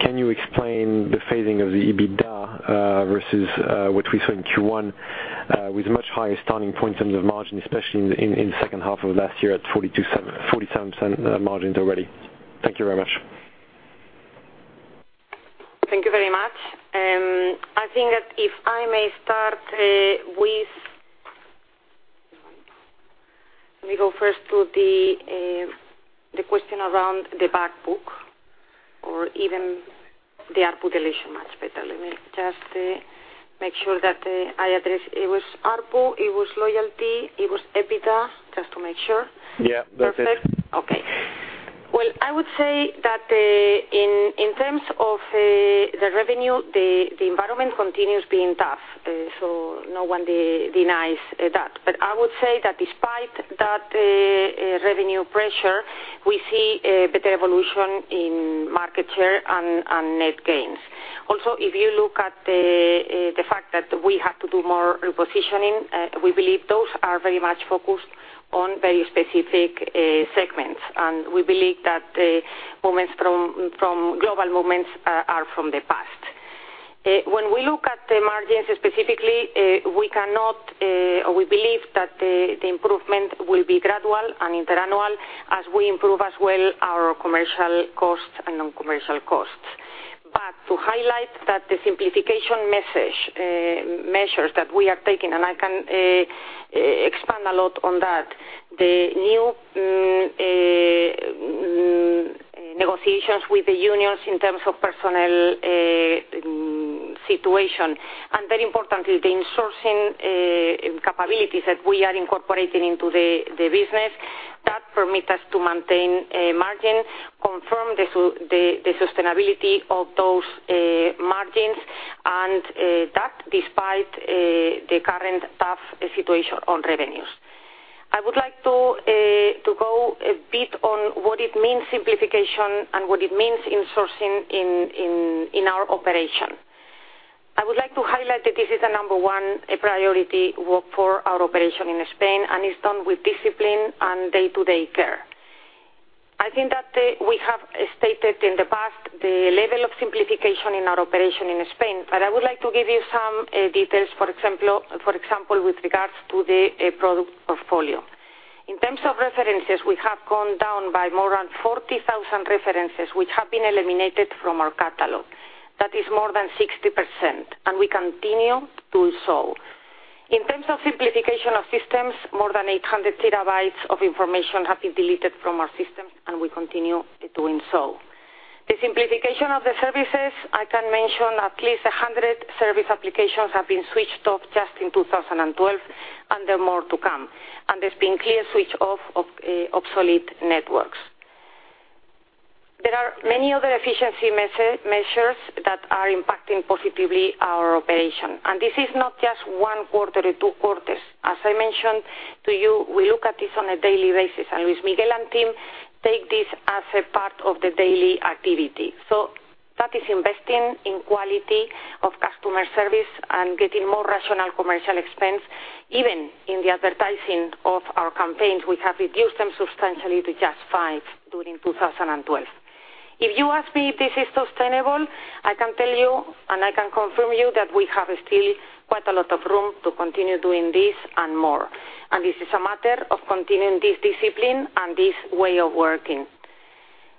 can you explain the phasing of the EBITDA versus what we saw in Q1 with much higher starting points in terms of margin, especially in the second half of last year at 47% margins already? Thank you very much. Thank you very much. I think that if I may start with Let me go first to the question around the back book or even the output dilution much better. Let me just make sure that I address, it was ARPU, it was loyalty, it was EBITDA, just to make sure. Yeah, that's it. Perfect. Okay. Well, I would say that in terms of the revenue, the environment continues being tough. No one denies that. I would say that despite that revenue pressure, we see a better evolution in market share and net gains. Also, if you look at the fact that we have to do more repositioning, we believe those are very much focused on very specific segments, and we believe that global movements are from the past. When we look at the margins specifically, we believe that the improvement will be gradual and interannual as we improve as well our commercial costs and non-commercial costs. To highlight that the simplification measures that we are taking, and I can expand a lot on that, the new negotiations with the unions in terms of personnel situation, and very importantly, the insourcing capabilities that we are incorporating into the business, that permit us to maintain margin, confirm the sustainability of those margins, and that despite the current tough situation on revenues. I would like to go a bit on what it means, simplification, and what it means insourcing in our operation. I would like to highlight that this is a number one priority work for our operation in Spain, and it's done with discipline and day-to-day care. I think that we have stated in the past the level of simplification in our operation in Spain, but I would like to give you some details, for example, with regards to the product portfolio. In terms of references, we have gone down by more than 40,000 references, which have been eliminated from our catalog. That is more than 60%, and we continue to do so. In terms of simplification of systems, more than 800 terabytes of information have been deleted from our systems, and we continue doing so. The simplification of the services, I can mention at least 100 service applications have been switched off just in 2012, and there are more to come. There's been clear switch off of obsolete networks. There are many other efficiency measures that are impacting positively our operation. This is not just one quarter or two quarters. As I mentioned to you, we look at this on a daily basis, and Luis Miguel and team take this as a part of the daily activity. That is investing in quality of customer service and getting more rational commercial expense, even in the advertising of our campaigns. We have reduced them substantially to just five during 2012. If you ask me if this is sustainable, I can tell you, and I can confirm you that we have still quite a lot of room to continue doing this and more. This is a matter of continuing this discipline and this way of working.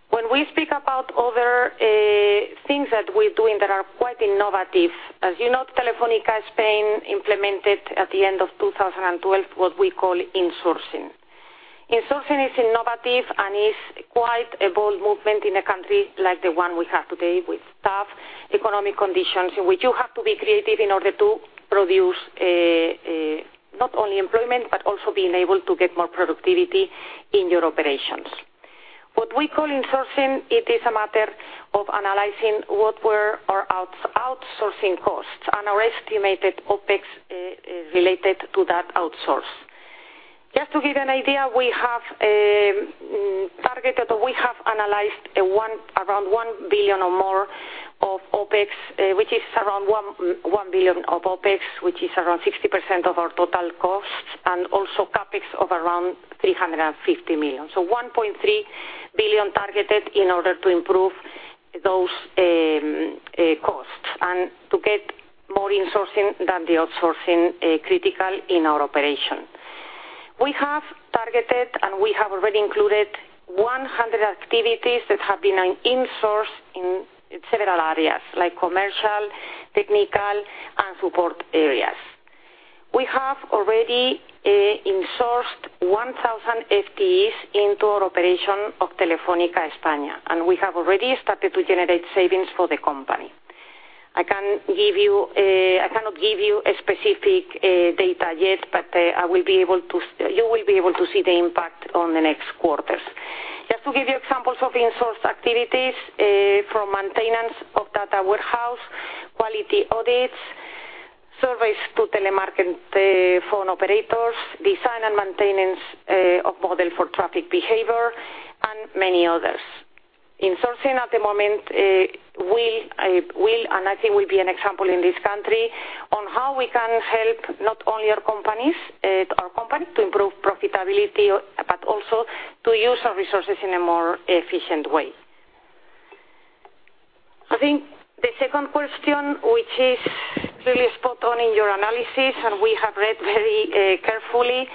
When we speak about other things that we're doing that are quite innovative, as you know, Telefónica Spain implemented at the end of 2012 what we call insourcing. Insourcing is innovative and is quite a bold movement in a country like the one we have today with tough economic conditions, in which you have to be creative in order to produce not only employment, but also being able to get more productivity in your operations. What we call insourcing, it is a matter of analyzing what were our outsourcing costs and our estimated OpEx related to that outsource. Just to give you an idea, we have analyzed around 1 billion or more of OpEx, which is around 60% of our total costs, and also CapEx of around 350 million. 1.3 billion targeted in order to improve those costs and to get more insourcing than the outsourcing critical in our operation. We have targeted and we have already included 100 activities that have been insourced in several areas, like commercial, technical, and support areas. We have already insourced 1,000 FTEs into our operation of Telefónica España. We have already started to generate savings for the company. I cannot give you specific data yet, but you will be able to see the impact on the next quarters. Just to give you examples of insourced activities, from maintenance of data warehouse, quality audits, surveys to telemarket phone operators, design and maintenance of model for traffic behavior, and many others. Insourcing at the moment, I think will be an example in this country, on how we can help not only our company to improve profitability, but also to use our resources in a more efficient way. The second question, which is clearly spot on in your analysis, we have read very carefully.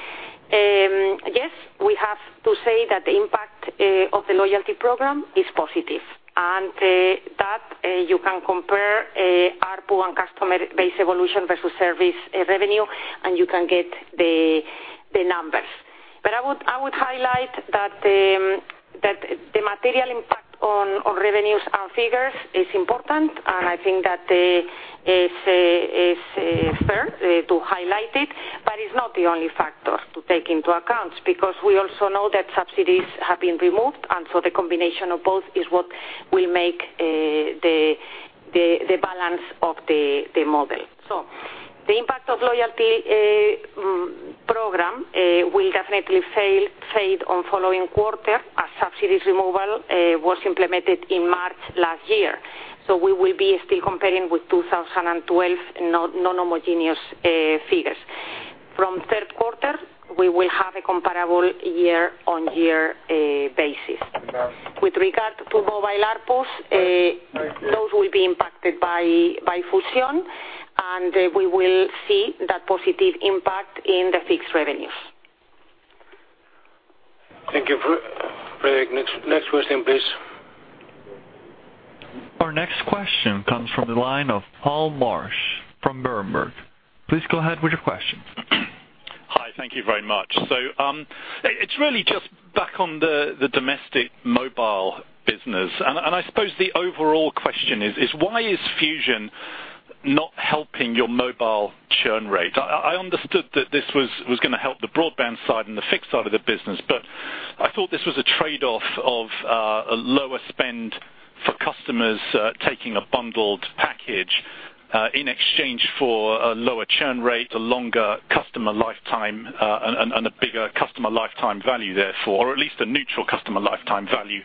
Yes, we have to say that the impact of the loyalty program is positive. That you can compare ARPU and customer base evolution versus service revenue, and you can get the numbers. I would highlight that the material impact on our revenues and figures is important. I think that it's fair to highlight it, but it's not the only factor to take into account, because we also know that subsidies have been removed. The combination of both is what will make the balance of the model. The impact of loyalty program will definitely fade on following quarter as subsidies removal was implemented in March last year. We will be still comparing with 2012 non-homogeneous figures. From third quarter, we will have a comparable year-on-year basis. With regard to mobile ARPUs, those will be impacted by Fusión. We will see that positive impact in the fixed revenues. Thank you, Frederic. Next question, please. Our next question comes from the line of Paul Marsch from Berenberg. Please go ahead with your question. Hi, thank you very much. It's really just back on the domestic mobile business. I suppose the overall question is why is Fusión not helping your mobile churn rate? I understood that this was going to help the broadband side and the fixed side of the business, but I thought this was a trade-off of a lower spend for customers taking a bundled package in exchange for a lower churn rate, a longer customer lifetime, and a bigger customer lifetime value therefore, or at least a neutral customer lifetime value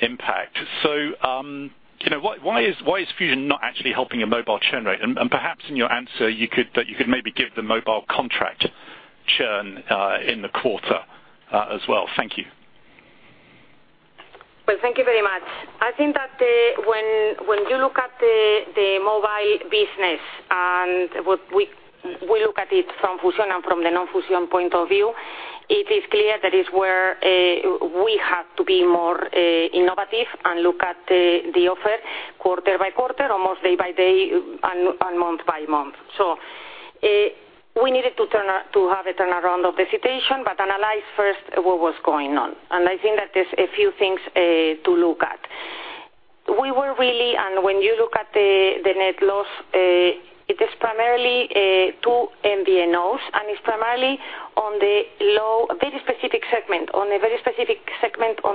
impact. Why is Fusión not actually helping your mobile churn rate? And perhaps in your answer, you could maybe give the mobile contract churn in the quarter as well. Thank you. Well, thank you very much. I think that when you look at the mobile business, and we look at it from Fusión and from the non-Fusión point of view, it is clear that is where we have to be more innovative and look at the offer quarter by quarter, almost day by day and month by month. We needed to have a turnaround of hesitation, but analyze first what was going on. I think that there's a few things to look at. We were really, and when you look at the net loss, it is primarily two MVNOs, and it's primarily on the very specific segment, on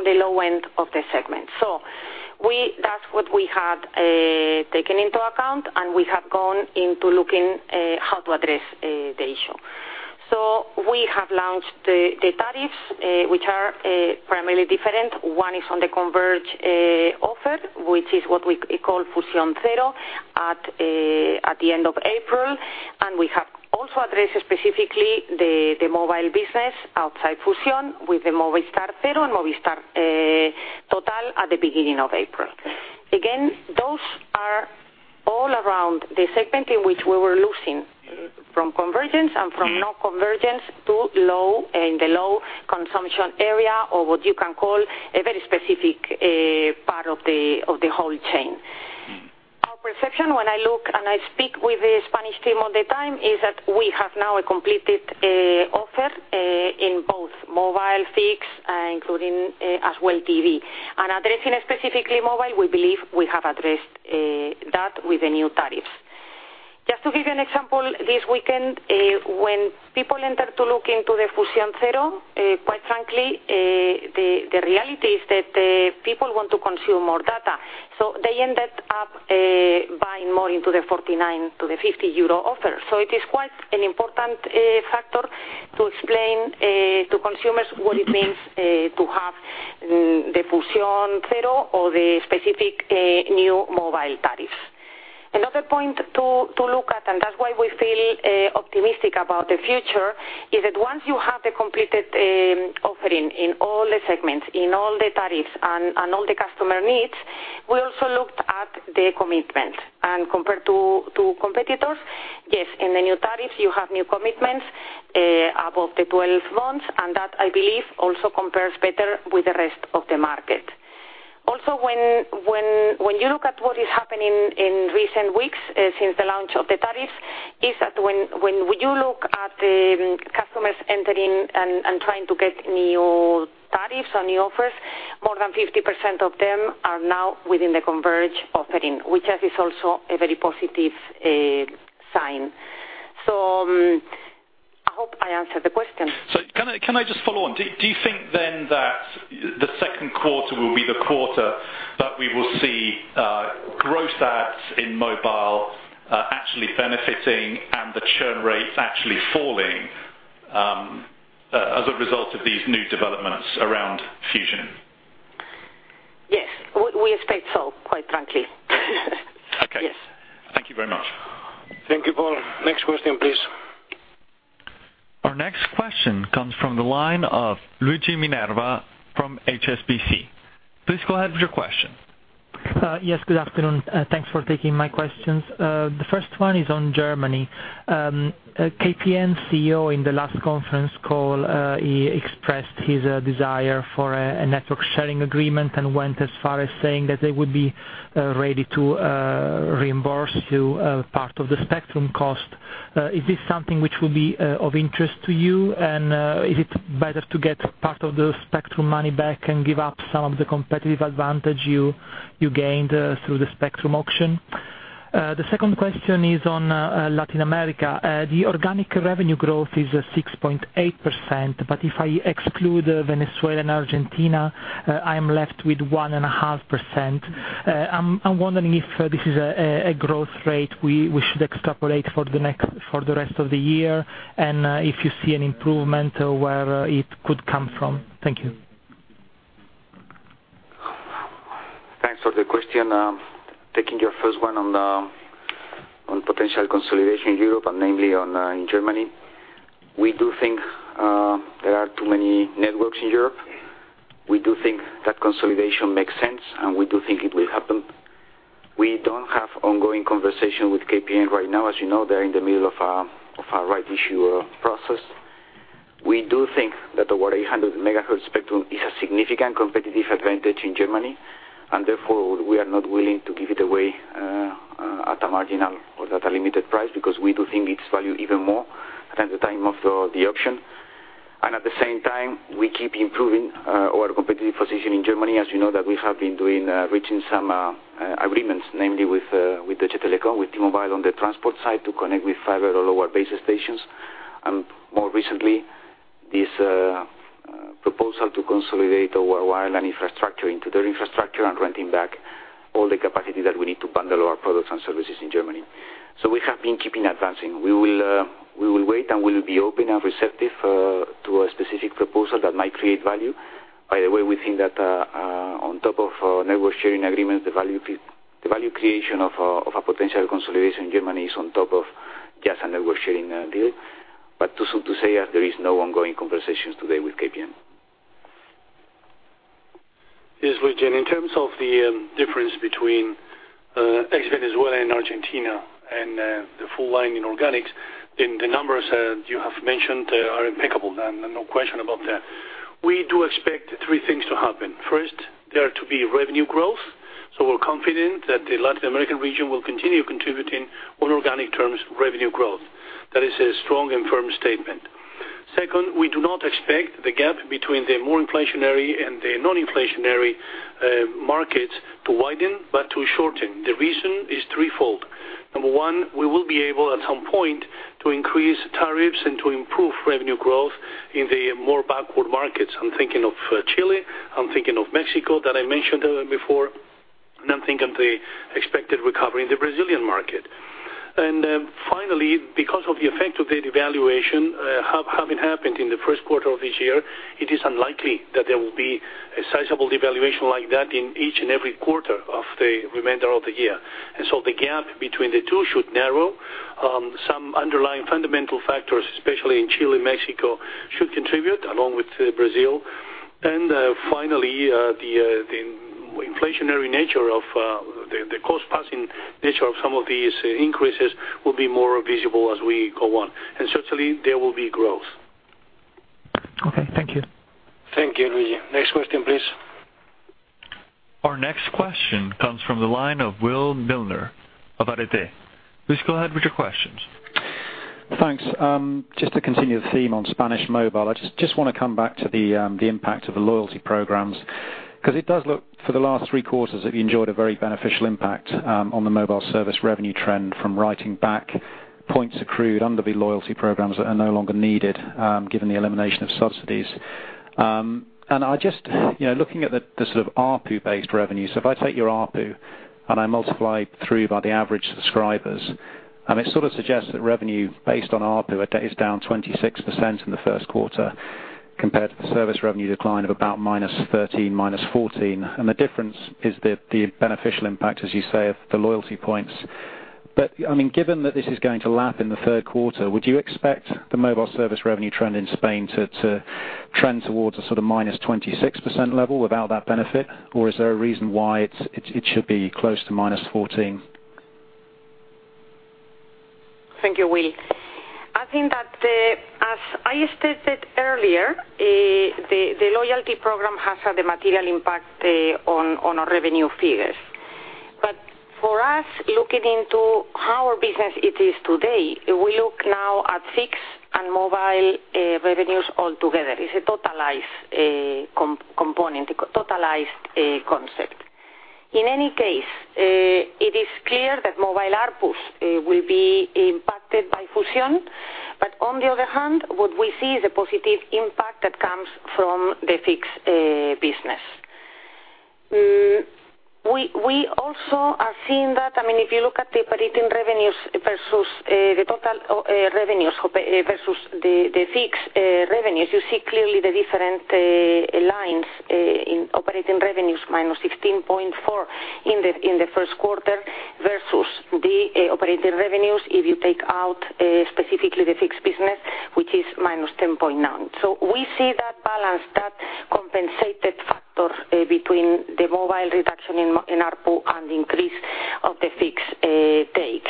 the low end of the segment. That's what we had taken into account, and we have gone into looking how to address the issue. We have launched the tariffs, which are primarily different. One is on the converge offer, which is what we call Fusión Cero, at the end of April. We have also addressed specifically the mobile business outside Fusión with the Movistar Cero and Movistar Total at the beginning of April. Again, those are all around the segment in which we were losing from convergence and from non-convergence in the low consumption area, or what you can call a very specific part of the whole chain. Our perception when I look and I speak with the Spanish team all the time is that we have now a completed offer in both mobile, fixed, including as well TV. And addressing specifically mobile, we believe we have addressed that with the new tariffs. Just to give you an example, this weekend, when people entered to look into the Fusión Cero, quite frankly, the reality is that people want to consume more data. They ended up buying more into the 49 to the 50 euro offer. It is quite an important factor to explain to consumers what it means to have the Fusión Cero or the specific new mobile tariff. Another point to look at, and that's why we feel optimistic about the future, is that once you have the completed offering in all the segments, in all the tariffs and all the customer needs, we also looked at the commitment. Compared to competitors, yes, in the new tariffs, you have new commitments above the 12 months, and that, I believe, also compares better with the rest of the market. When you look at what is happening in recent weeks since the launch of the tariffs, is that when you look at the customers entering and trying to get new tariffs or new offers, more than 50% of them are now within the converge offering, which is also a very positive sign. I hope I answered the question. Can I just follow on? Do you think then that the second quarter will be the quarter that we will see gross adds in mobile actually benefiting and the churn rates actually falling, as a result of these new developments around Fusión? Yes. We expect so, quite frankly. Okay. Yes. Thank you very much. Thank you, Paul. Next question, please. Our next question comes from the line of Luigi Minerva from HSBC. Please go ahead with your question. Yes, good afternoon. Thanks for taking my questions. The first one is on Germany. KPN CEO in the last conference call, he expressed his desire for a network sharing agreement and went as far as saying that they would be ready to reimburse you part of the spectrum cost. Is this something which will be of interest to you? Is it better to get part of the spectrum money back and give up some of the competitive advantage you gained through the spectrum auction? The second question is on Latin America. The organic revenue growth is 6.8%, but if I exclude Venezuela and Argentina, I'm left with 1.5%. I'm wondering if this is a growth rate we should extrapolate for the rest of the year, and, if you see an improvement, where it could come from. Thank you. Thanks for the question. Taking your first one on potential consolidation in Europe, and namely in Germany. We do think there are too many networks in Europe. We do think that consolidation makes sense, and we do think it will happen. We don't have ongoing conversation with KPN right now. As you know, they're in the middle of a rights issue process. We do think that our 800 MHz spectrum is a significant competitive advantage in Germany, and therefore, we are not willing to give it away at a marginal or at a limited price, because we do think it's valued even more than the time of the auction. At the same time, we keep improving our competitive position in Germany. As you know that we have been reaching some agreements, namely with Deutsche Telekom, with T-Mobile on the transport side to connect with fiber all our base stations. More recently, this proposal to consolidate our wireline infrastructure into their infrastructure and renting back all the capacity that we need to bundle our products and services in Germany. We have been keeping advancing. We will wait, and we will be open and receptive to a specific proposal that might create value. By the way, we think that, on top of network sharing agreements, the value creation of a potential consolidation in Germany is on top of just a network sharing deal. There is no ongoing conversations today with KPN. Yes, Luigi, in terms of the difference between ex-Venezuela and Argentina and the full line in organics, the numbers you have mentioned are impeccable. No question about that. We do expect three things to happen. First, there to be revenue growth. We're confident that the Latin American region will continue contributing on organic terms, revenue growth. That is a strong and firm statement. Second, we do not expect the gap between the more inflationary and the non-inflationary markets to widen, but to shorten. The reason is threefold. Number one, we will be able, at some point, to increase tariffs and to improve revenue growth in the more backward markets. I'm thinking of Chile, I'm thinking of Mexico that I mentioned before, and I'm thinking of the expected recovery in the Brazilian market. Finally, because of the effect of the devaluation having happened in the first quarter of this year, it is unlikely that there will be a sizable devaluation like that in each and every quarter of the remainder of the year. The gap between the two should narrow. Some underlying fundamental factors, especially in Chile, Mexico, should contribute along with Brazil. Finally, the inflationary nature of the cost-passing nature of some of these increases will be more visible as we go on. Certainly, there will be growth. Okay, thank you. Thank you, Luigi. Next question, please. Our next question comes from the line of Will Milner of Arete. Please go ahead with your question. Thanks. Just to continue the theme on Spanish mobile, I just want to come back to the impact of the loyalty programs, because it does look, for the last three quarters, that you enjoyed a very beneficial impact on the mobile service revenue trend from writing back points accrued under the loyalty programs that are no longer needed, given the elimination of subsidies. Looking at the sort of ARPU-based revenue, so if I take your ARPU and I multiply through by the average subscribers, it sort of suggests that revenue based on ARPU is down 26% in the first quarter compared to the service revenue decline of about -13%, -14%. The difference is the beneficial impact, as you say, of the loyalty points. Given that this is going to lap in the third quarter, would you expect the mobile service revenue trend in Spain to trend towards a sort of -26% level without that benefit, or is there a reason why it should be close to -14%? Thank you, Will. I think that, as I stated earlier, the loyalty program has had a material impact on our revenue figures. For us, looking into how our business it is today, we look now at fixed and mobile revenues all together. It's a totalized component, a totalized concept. In any case, it is clear that mobile ARPUs will be impacted by Fusión. On the other hand, what we see is a positive impact that comes from the fixed business. We also are seeing that, if you look at the operating revenues versus the total revenues versus the fixed revenues, you see clearly the different lines in operating revenues, -16.4% in the first quarter versus the operating revenues if you take out specifically the fixed business, which is -10.9%. We see that balance, that compensated factor between the mobile reduction in ARPU and the increase of the fixed take.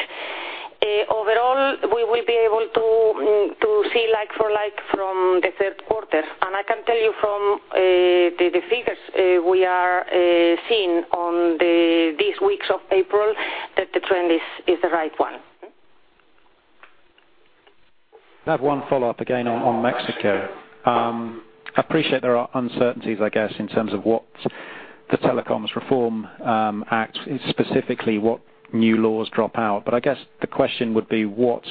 Overall, we will be able to see like for like from the third quarter. I can tell you from the figures we are seeing on these weeks of April that the trend is the right one. I have one follow-up, again, on Mexico. I appreciate there are uncertainties, I guess, in terms of what the Telecoms Reform Act, specifically what new laws drop out. I guess the question would be, what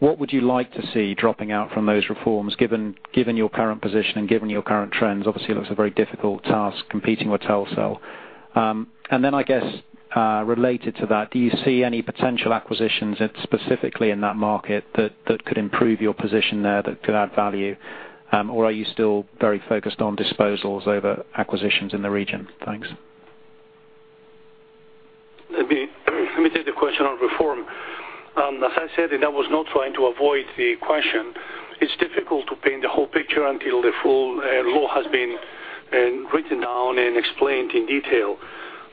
would you like to see dropping out from those reforms, given your current position and given your current trends? Obviously, it looks a very difficult task competing with Telcel. Then, I guess related to that, do you see any potential acquisitions specifically in that market that could improve your position there, that could add value? Or are you still very focused on disposals over acquisitions in the region? Thanks. Let me take the question on reform. As I said, I was not trying to avoid the question, it's difficult to paint the whole picture until the full law has been written down and explained in detail.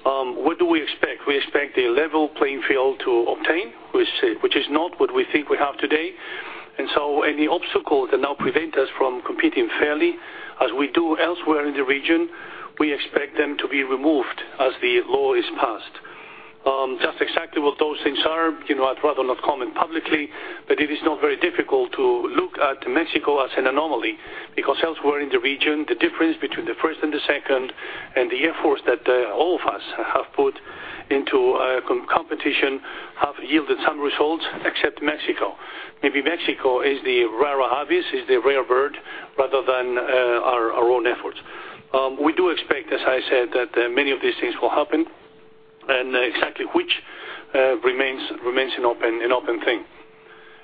What do we expect? We expect a level playing field to obtain, which is not what we think we have today. Any obstacles that now prevent us from competing fairly as we do elsewhere in the region, we expect them to be removed as the law is passed. Just exactly what those things are, I'd rather not comment publicly, but it is not very difficult to look at Mexico as an anomaly, because elsewhere in the region, the difference between the first and the second and the efforts that all of us have put into competition have yielded some results, except Mexico. Maybe Mexico is the rara avis, is the rare bird, rather than our own efforts. We do expect, as I said, that many of these things will happen and exactly which remains an open thing.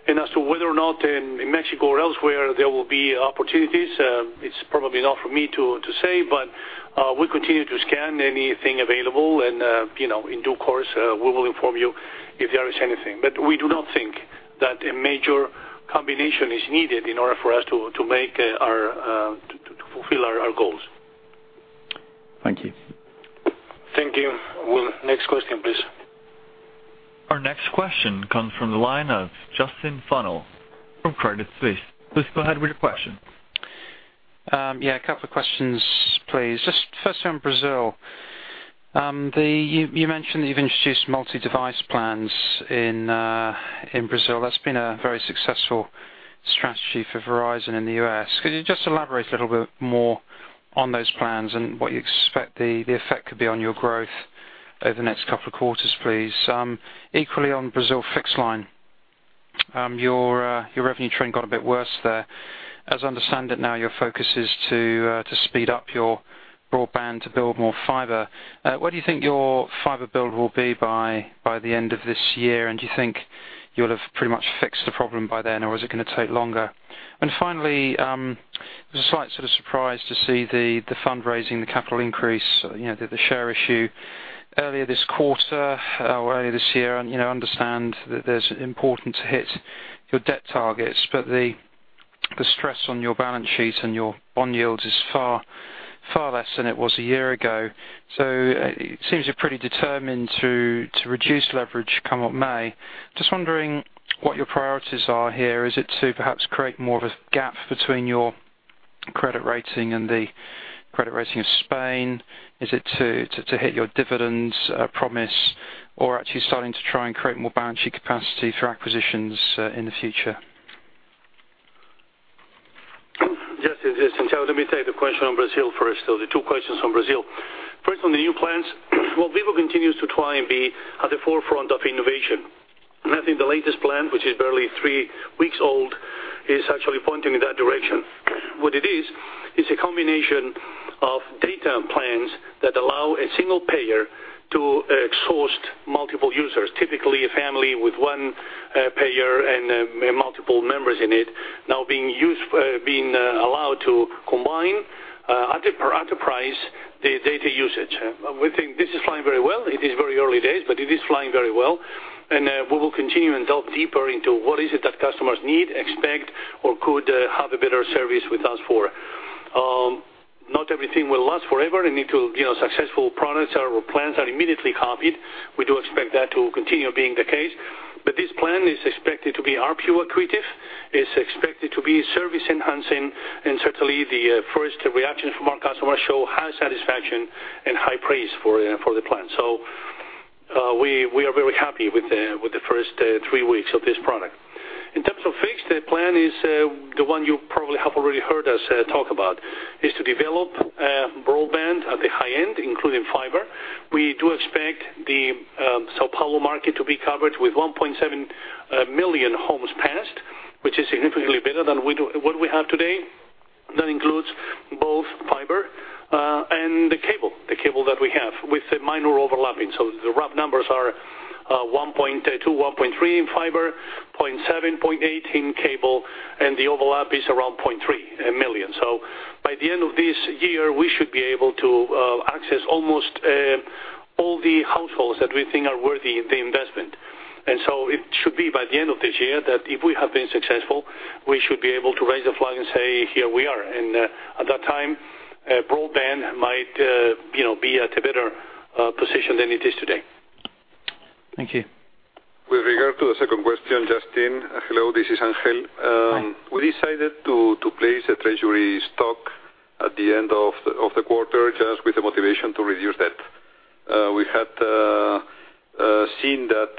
As to whether or not in Mexico or elsewhere there will be opportunities, it's probably not for me to say, but we continue to scan anything available and, in due course, we will inform you if there is anything. We do not think that a major combination is needed in order for us to fulfill our goals. Thank you. Thank you, Will. Next question, please. Our next question comes from the line of Justin Funnell from Credit Suisse. Please go ahead with your question. Yeah, a couple of questions, please. Just firstly on Brazil. You mentioned that you've introduced multi-device plans in Brazil. That's been a very successful strategy for Verizon in the U.S. Could you just elaborate a little bit more on those plans and what you expect the effect could be on your growth over the next couple of quarters, please? Equally on Brazil fixed line, your revenue trend got a bit worse there. As I understand it now, your focus is to speed up your broadband to build more fiber. Where do you think your fiber build will be by the end of this year? Do you think you'll have pretty much fixed the problem by then, or is it going to take longer? Finally, it was a slight surprise to see the fundraising, the capital increase, the share issue earlier this quarter or earlier this year. I understand that it's important to hit your debt targets, the stress on your balance sheet and your bond yield is far less than it was a year ago. It seems you're pretty determined to reduce leverage come what may. Just wondering what your priorities are here. Is it to perhaps create more of a gap between your credit rating and the credit rating of Spain? Is it to hit your dividends promise or are actually starting to try and create more balance sheet capacity through acquisitions in the future? Justin, let me take the question on Brazil first, or the two questions on Brazil. First, on the new plans. Well, Vivo continues to try and be at the forefront of innovation. I think the latest plan, which is barely three weeks old, is actually pointing in that direction. What it is a combination of data plans that allow a single payer to exhaust multiple users. Typically, a family with one payer and multiple members in it, now being allowed to combine or enterprise the data usage. We think this is flying very well. It is very early days, it is flying very well. We will continue and delve deeper into what is it that customers need, expect, or could have a better service with us for. Not everything will last forever and successful products or plans are immediately copied. We do expect that to continue being the case. This plan is expected to be ARPU accretive, it's expected to be service enhancing, and certainly the first reactions from our customers show high satisfaction and high praise for the plan. We are very happy with the first three weeks of this product. In terms of fixed, the plan is the one you probably have already heard us talk about, is to develop broadband at the high end, including fiber. We do expect the São Paulo market to be covered with 1.7 million homes passed, which is significantly better than what we have today. That includes both fiber and the cable that we have with minor overlapping. The rough numbers are 1.2, 1.3 in fiber, 0.7, 0.8 in cable, and the overlap is around 0.3 million. By the end of this year, we should be able to access almost all the households that we think are worthy of the investment. It should be by the end of this year that if we have been successful, we should be able to raise the flag and say, "Here we are." At that time, broadband might be at a better position than it is today. Thank you. With regard to the second question, Justin. Hello, this is Ángel. Hi. We decided to place a treasury stock at the end of the quarter just with the motivation to reduce debt. We had seen that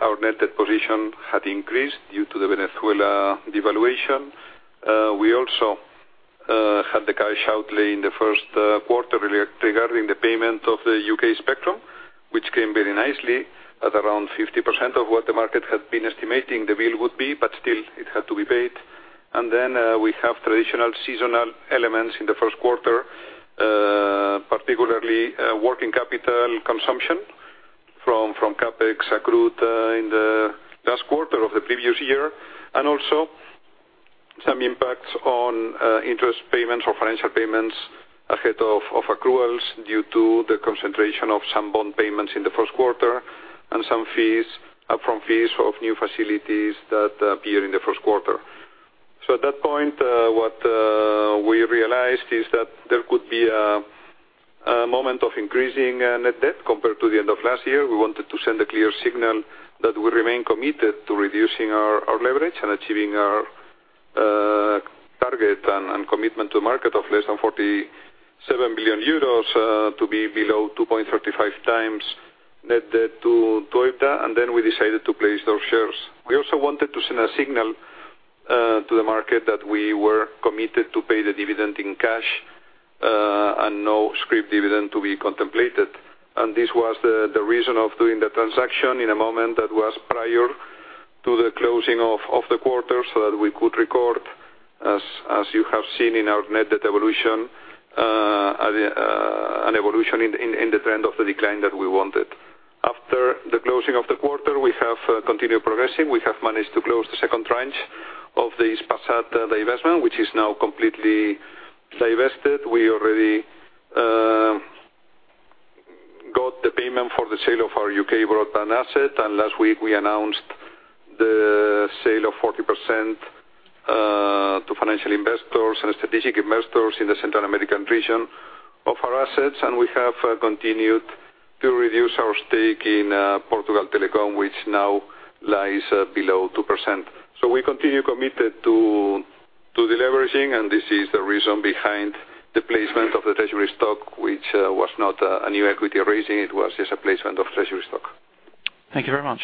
our net debt position had increased due to the Venezuela devaluation. We also had the cash outlay in the first quarter regarding the payment of the U.K. spectrum, which came very nicely at around 50% of what the market had been estimating the bill would be, but still, it had to be paid. We have traditional seasonal elements in the first quarter. Particularly, working capital consumption from CapEx accrued in the last quarter of the previous year. Some impacts on interest payments or financial payments ahead of accruals due to the concentration of some bond payments in the first quarter and some fees up from fees of new facilities that appear in the first quarter. At that point, what we realized is that there could be a moment of increasing net debt compared to the end of last year. We wanted to send a clear signal that we remain committed to reducing our leverage and achieving our target and commitment to market of less than 47 billion euros, to be below 2.35 times net debt to EBITDA. We decided to place those shares. We also wanted to send a signal to the market that we were committed to pay the dividend in cash, and no scrip dividend to be contemplated. This was the reason of doing the transaction in a moment that was prior to the closing of the quarter, so that we could record, as you have seen in our net debt evolution, an evolution in the trend of the decline that we wanted. After the closing of the quarter, we have continued progressing. We have managed to close the second tranche of the Hispasat divestment, which is now completely divested. We already got the payment for the sale of our U.K. broadband asset. Last week we announced the sale of 40% to financial investors and strategic investors in the Central American region of our assets. We have continued to reduce our stake in Portugal Telecom, which now lies below 2%. We continue committed to deleveraging, and this is the reason behind the placement of the treasury stock, which was not a new equity raising. It was just a placement of treasury stock. Thank you very much.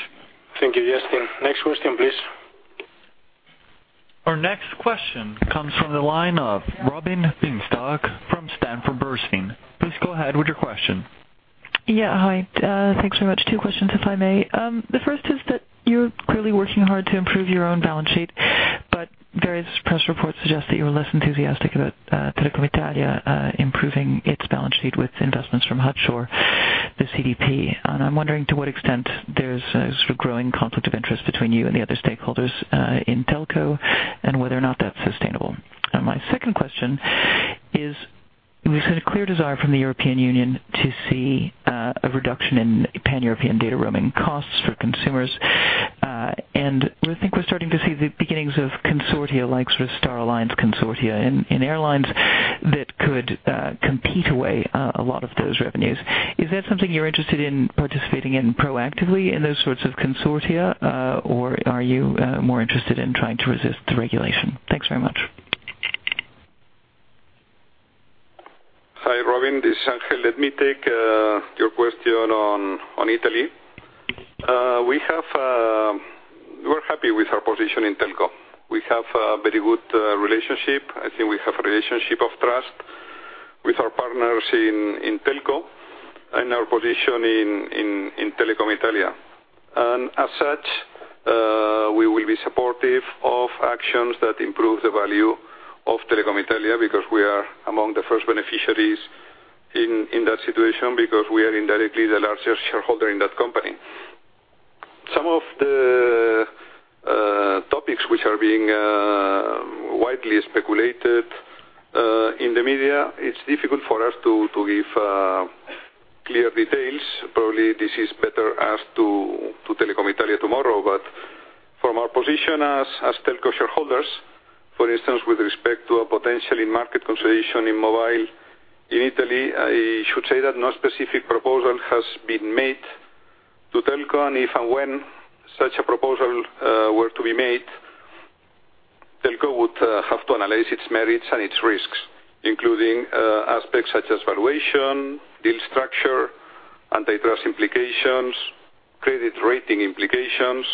Thank you, Justin. Next question, please. Our next question comes from the line of Robin Bienenstock from Sanford Bernstein. Please go ahead with your question. Yeah. Hi. Thanks so much. Two questions, if I may. The first is that you're clearly working hard to improve your own balance sheet, but various press reports suggest that you're less enthusiastic about Telecom Italia improving its balance sheet with investments from Hutchison or the CDP. I'm wondering to what extent there's a sort of growing conflict of interest between you and the other stakeholders in Telco, and whether or not that's sustainable. My second question is, we've seen a clear desire from the European Union to see a reduction in pan-European data roaming costs for consumers. I think we're starting to see the beginnings of consortia like Star Alliance consortia in airlines. Could compete away a lot of those revenues. Is that something you're interested in participating in proactively in those sorts of consortia? Are you more interested in trying to resist the regulation? Thanks very much. Hi, Robin. This is Ángel. Let me take your question on Italy. We are happy with our position in Telco. We have a very good relationship. I think we have a relationship of trust with our partners in Telco and our position in Telecom Italia. As such, we will be supportive of actions that improve the value of Telecom Italia, because we are among the first beneficiaries in that situation, because we are indirectly the largest shareholder in that company. Some of the topics which are being widely speculated in the media, it's difficult for us to give clear details. Probably this is better asked to Telecom Italia tomorrow. From our position as Telco shareholders, for instance, with respect to a potential market consolidation in mobile in Italy, I should say that no specific proposal has been made to Telco. If and when such a proposal were to be made, Telco would have to analyze its merits and its risks, including aspects such as valuation, deal structure, antitrust implications, credit rating implications,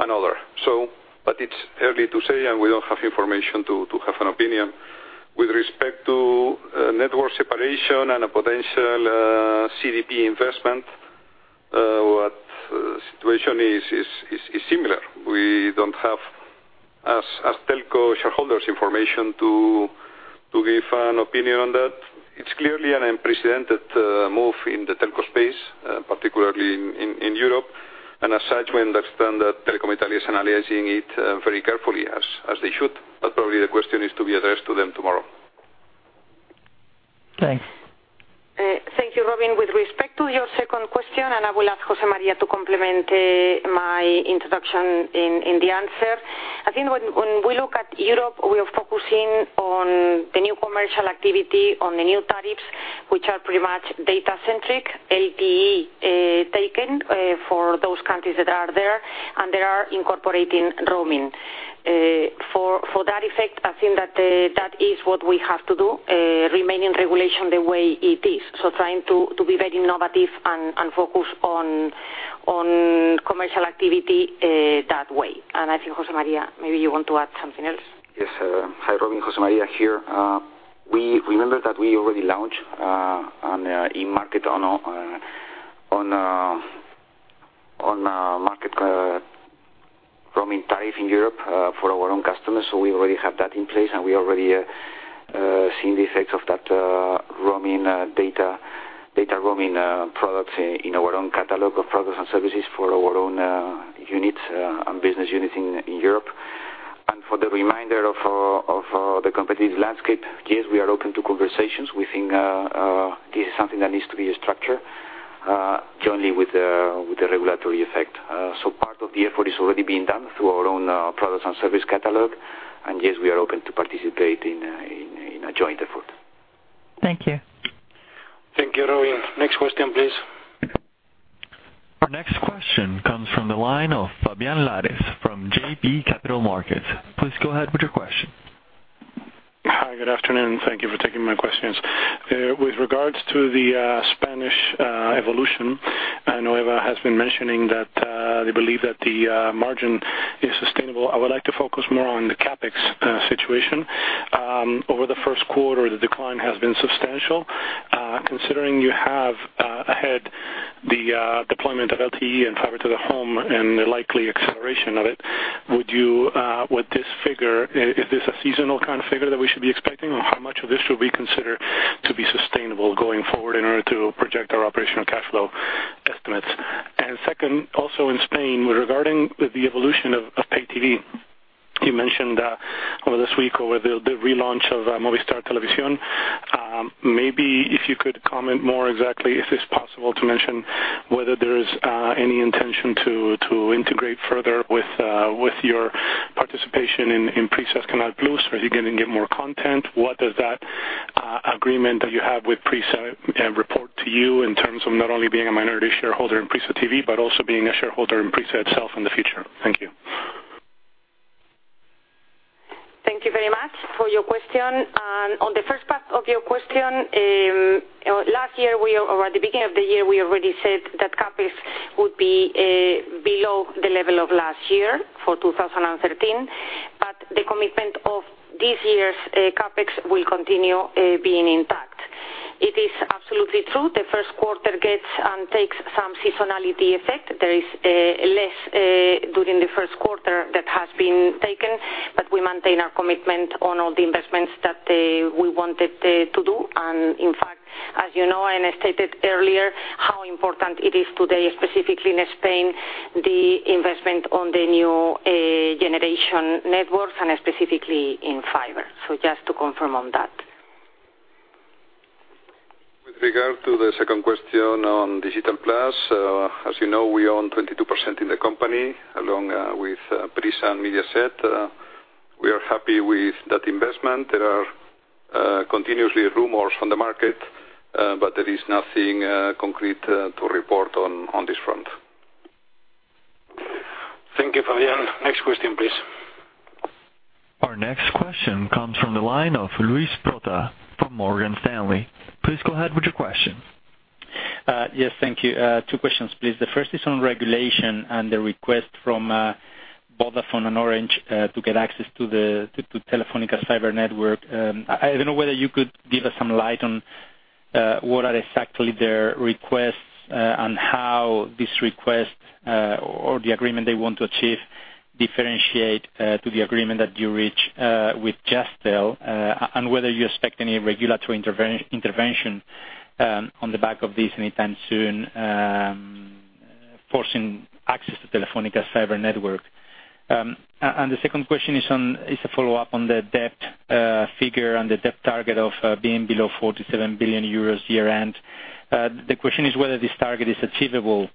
and other. It's early to say, and we don't have information to have an opinion. With respect to network separation and a potential CDP investment, what the situation is similar. We don't have, as Telco shareholders, information to give an opinion on that. It's clearly an unprecedented move in the Telco space, particularly in Europe. As such, we understand that Telecom Italia is analyzing it very carefully, as they should. Probably the question is to be addressed to them tomorrow. Thanks. Thank you, Robin. With respect to your second question, I will ask José María to complement my introduction in the answer. I think when we look at Europe, we are focusing on the new commercial activity on the new tariffs, which are pretty much data centric, LTE taken for those countries that are there, and they are incorporating roaming. For that effect, I think that is what we have to do, remaining regulation the way it is. Trying to be very innovative and focus on commercial activity that way. I think José María, maybe you want to add something else. Yes. Hi, Robin, José María here. Remember that we already launched on a market roaming tariff in Europe for our own customers. We already have that in place, and we already are seeing the effects of that data roaming products in our own catalog of products and services for our own units and business units in Europe. For the remainder of the competitive landscape, yes, we are open to conversations. We think this is something that needs to be structured jointly with the regulatory effect. Part of the effort is already being done through our own products and service catalog. Yes, we are open to participate in a joint effort. Thank you. Thank you, Robin. Next question, please. Our next question comes from the line of Fabián Lares from JB Capital Markets. Please go ahead with your question. Hi, good afternoon. Thank you for taking my questions. With regards to the Spanish evolution, [nueva] has been mentioning that they believe that the margin is sustainable. I would like to focus more on the CapEx situation. Over the first quarter, the decline has been substantial. Considering you have ahead the deployment of LTE and fiber to the home and the likely acceleration of it, is this a seasonal kind of figure that we should be expecting? Or how much of this should we consider to be sustainable going forward in order to project our operational cash flow estimates? Second, also in Spain, regarding the evolution of pay TV, you mentioned over this week over the relaunch of Movistar TV. Maybe if you could comment more exactly, if it is possible to mention whether there is any intention to integrate further with your participation in Prisa Canal+. Are you going to get more content? What does that agreement that you have with Prisa report to you in terms of not only being a minority shareholder in Prisa TV, but also being a shareholder in Prisa itself in the future? Thank you. Thank you very much for your question. On the first part of your question, last year or at the beginning of the year, we already said that CapEx would be below the level of last year for 2013. The commitment of this year's CapEx will continue being intact. It is absolutely true, the first quarter gets and takes some seasonality effect. There is less during the first quarter that has been taken, but we maintain our commitment on all the investments that we wanted to do. In fact, as you know, I stated earlier how important it is today, specifically in Spain, the investment on the new generation networks and specifically in fiber. Just to confirm on that. With regard to the second question on Digital+, as you know, we own 22% in the company along with Prisa and Mediaset. We are happy with that investment. There are continuously rumors on the market, but there is nothing concrete to report on this front. Thank you, Fabián. Next question, please. Our next question comes from the line of Luis Prota from Morgan Stanley. Please go ahead with your question. Yes. Thank you. Two questions, please. The first is on regulation and the request from Vodafone and Orange to get access to Telefónica fiber network. I do not know whether you could give us some light on what are exactly their requests, and how this request or the agreement they want to achieve differentiate to the agreement that you reach with Jazztel, whether you expect any regulatory intervention on the back of this anytime soon, forcing access to Telefónica fiber network. The second question is a follow-up on the debt figure and the debt target of being below 47 billion euros year-end. The question is whether this target is achievable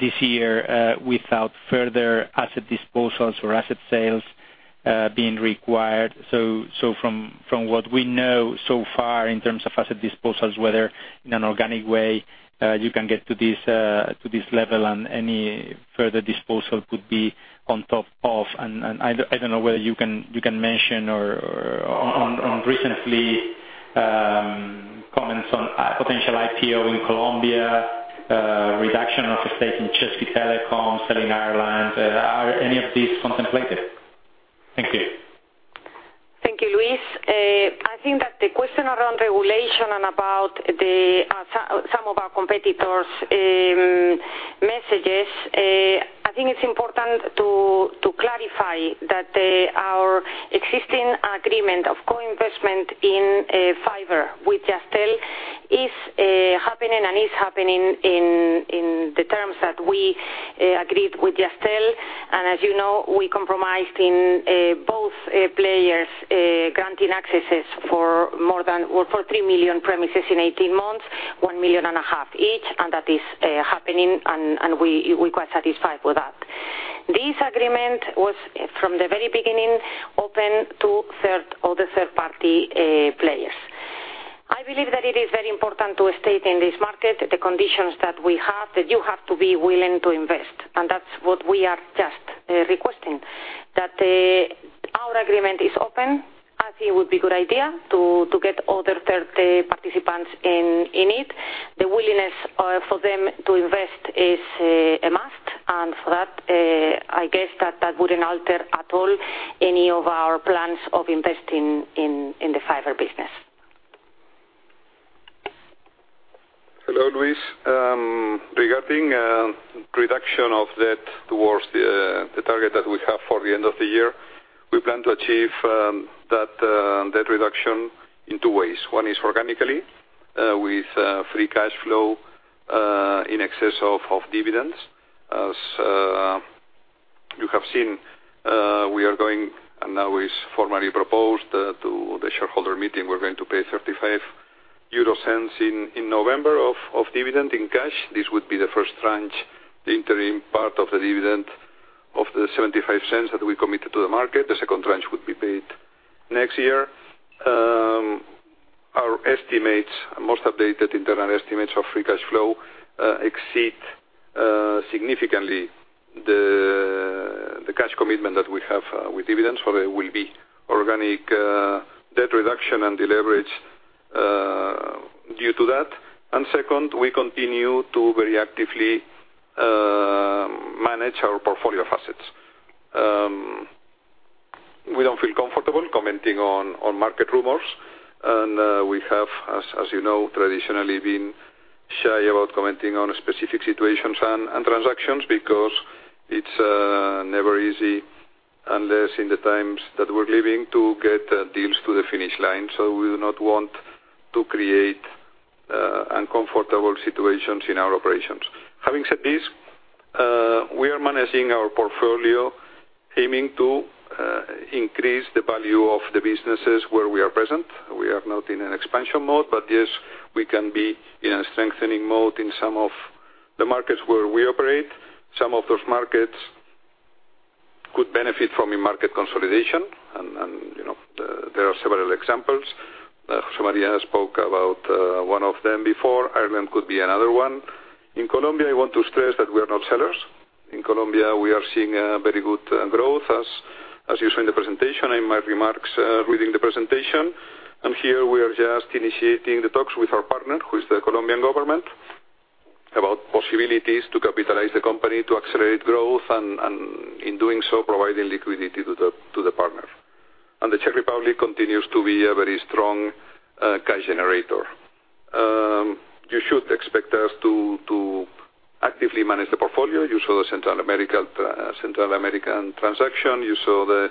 this year without further asset disposals or asset sales being required. From what we know so far in terms of asset disposals, whether in an organic way, you can get to this level, any further disposal could be on top of, I do not know whether you can mention or on recently, comments on potential IPO in Colombia, reduction of the stake in Czech Telecom, selling Ireland. Are any of these contemplated? Thank you. Thank you, Luis. I think that the question around regulation and about some of our competitors' messages, I think it is important to clarify that our existing agreement of co-investment in fiber with Jazztel is happening and is happening in the terms that we agreed with Jazztel. As you know, we compromised in both players granting accesses for 3 million premises in 18 months, 1.5 million each, that is happening, and we are quite satisfied with that. This agreement was from the very beginning, open to other third-party players. I believe that it is very important to state in this market the conditions that we have, that you have to be willing to invest. That is what we are just requesting, that our agreement is open. I think it would be good idea to get other third participants in it. The willingness for them to invest is a must, for that, I guess that that wouldn't alter at all any of our plans of investing in the fiber business. Hello, Luis. Regarding reduction of debt towards the target that we have for the end of the year, we plan to achieve that debt reduction in two ways. One is organically, with free cash flow in excess of dividends. As you have seen, we are going, and now it's formally proposed to the shareholder meeting, we're going to pay 0.35 in November of dividend in cash. This would be the first tranche, the interim part of the dividend of the 0.75 that we committed to the market. The second tranche would be paid next year. Our most updated internal estimates of free cash flow exceed significantly the cash commitment that we have with dividends, there will be organic debt reduction and deleverage due to that. Second, we continue to very actively manage our portfolio of assets. We don't feel comfortable commenting on market rumors. We have, as you know, traditionally been shy about commenting on specific situations and transactions, because it's never easy, unless in the times that we're living, to get deals to the finish line. We do not want to create uncomfortable situations in our operations. Having said this, we are managing our portfolio, aiming to increase the value of the businesses where we are present. We are not in an expansion mode, but yes, we can be in a strengthening mode in some of the markets where we operate. Some of those markets could benefit from a market consolidation, and there are several examples. José María spoke about one of them before. Ireland could be another one. In Colombia, I want to stress that we are not sellers. In Colombia, we are seeing a very good growth as you saw in the presentation, in my remarks reading the presentation. Here we are just initiating the talks with our partner, who is the Colombian government, about possibilities to capitalize the company to accelerate growth, in doing so, providing liquidity to the partner. The Czech Republic continues to be a very strong cash generator. You should expect us to actively manage the portfolio. You saw the Central American transaction, you saw the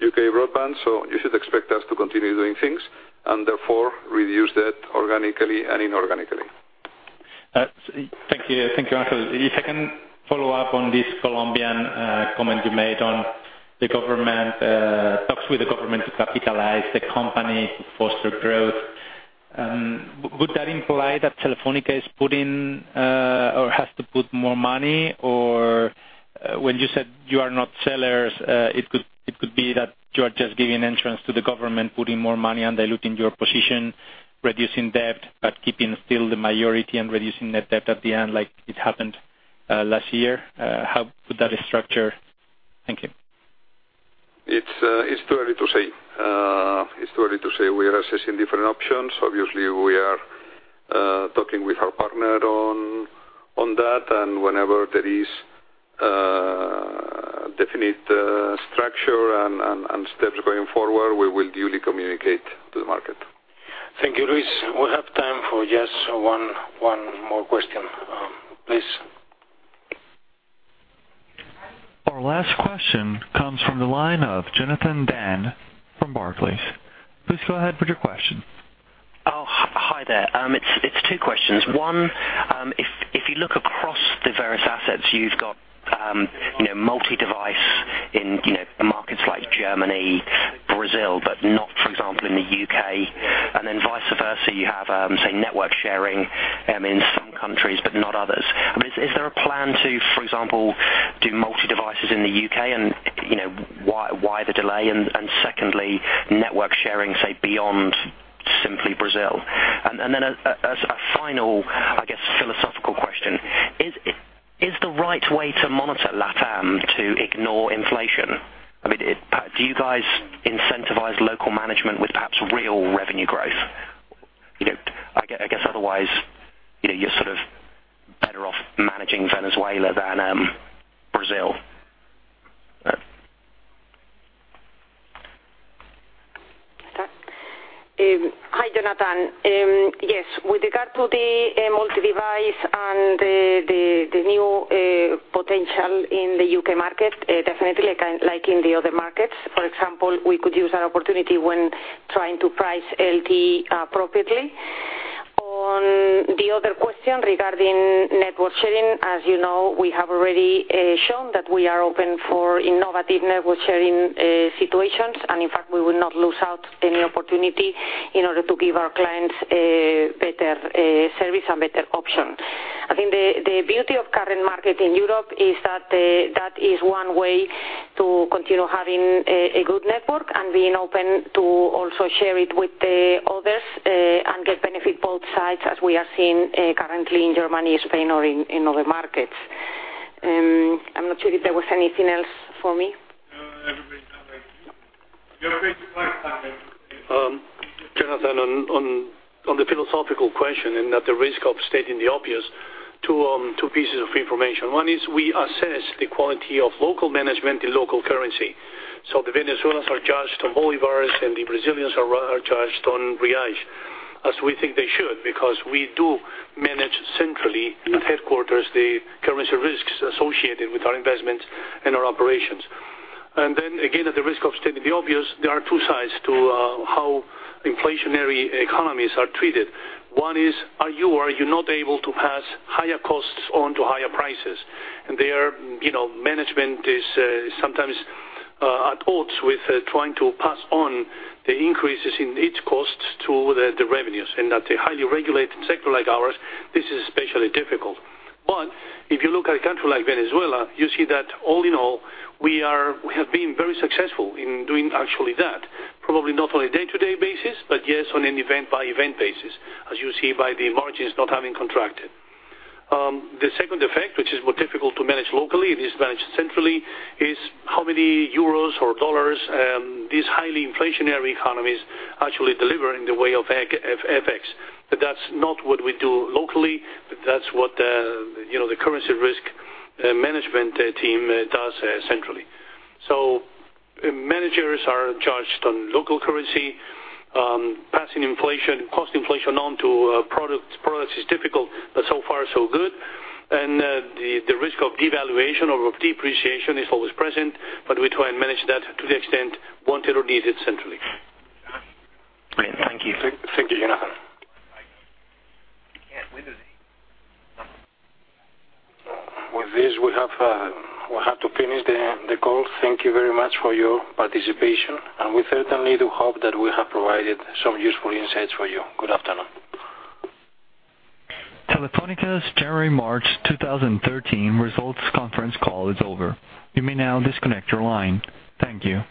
U.K. broadband, you should expect us to continue doing things, therefore reduce debt organically and inorganicallly. Thank you, Ángel. If I can follow up on this Colombian comment you made on the talks with the government to capitalize the company to foster growth. Would that imply that Telefónica is putting or has to put more money? Or when you said you are not sellers, it could be that you are just giving entrance to the government, putting more money and diluting your position, reducing debt, but keeping still the majority and reducing net debt at the end like it happened last year. How would that structure? Thank you. It's too early to say. We are assessing different options. Obviously, we are talking with our partner on that. Whenever there is a definite structure and steps going forward, we will duly communicate to the market. Thank you, Luis. We have time for just one more question. Please. Our last question comes from the line of Jonathan Dann from Barclays. Please go ahead with your question. Hi there. It's two questions. One, if you look across the various assets, you've got multi-device in markets like Germany, Brazil, but not, for example, in the U.K. Vice versa, you have, say, network sharing in some countries, but not others. I mean, is there a plan to, for example, do multi-devices in the U.K., and why the delay? Secondly, network sharing, say, beyond simply Brazil. A final, I guess, philosophical question. Is the right way to monitor LatAm to ignore inflation? I mean, do you guys incentivize local management with perhaps real revenue growth? I guess otherwise, you're sort of better off managing Venezuela than Brazil. Hi, Jonathan. Yes, with regard to the multi-device and the new potential in the U.K. market, definitely like in the other markets, for example, we could use that opportunity when trying to price LTE appropriately. On the other question regarding network sharing, as you know, we have already shown that we are open for innovative network sharing situations, and in fact, we will not lose out any opportunity in order to give our clients a better service and better option. I think the beauty of current market in Europe is that is one way to continue having a good network and being open to also share it with the others, and get benefit both sides as we are seeing currently in Germany, Spain, or in other markets. I'm not sure if there was anything else for me. Jonathan, on the philosophical question and at the risk of stating the obvious, two pieces of information. One is we assess the quality of local management in local currency. The Venezuelans are judged on Bolívars, and the Brazilians are judged on reais. As we think they should, because we do manage centrally in headquarters the currency risks associated with our investments and our operations. Again, at the risk of stating the obvious, there are two sides to how inflationary economies are treated. One is, are you or are you not able to pass higher costs on to higher prices? There, management is sometimes at odds with trying to pass on the increases in its costs to the revenues, and at a highly regulated sector like ours, this is especially difficult. If you look at a country like Venezuela, you see that all in all, we have been very successful in doing actually that. Probably not on a day-to-day basis, but yes, on an event by event basis, as you see by the margins not having contracted. The second effect, which is more difficult to manage locally, it is managed centrally, is how many euros or dollars these highly inflationary economies actually deliver in the way of FX. That's not what we do locally, but that's what the currency risk management team does centrally. Managers are judged on local currency, passing cost inflation on to products is difficult, but so far so good. The risk of devaluation or of depreciation is always present, but we try and manage that to the extent wanted or needed centrally. Great. Thank you. Thank you, Jonathan. With this, we have to finish the call. Thank you very much for your participation, and we certainly do hope that we have provided some useful insights for you. Good afternoon. Telefónica's January, March 2013 results conference call is over. You may now disconnect your line. Thank you.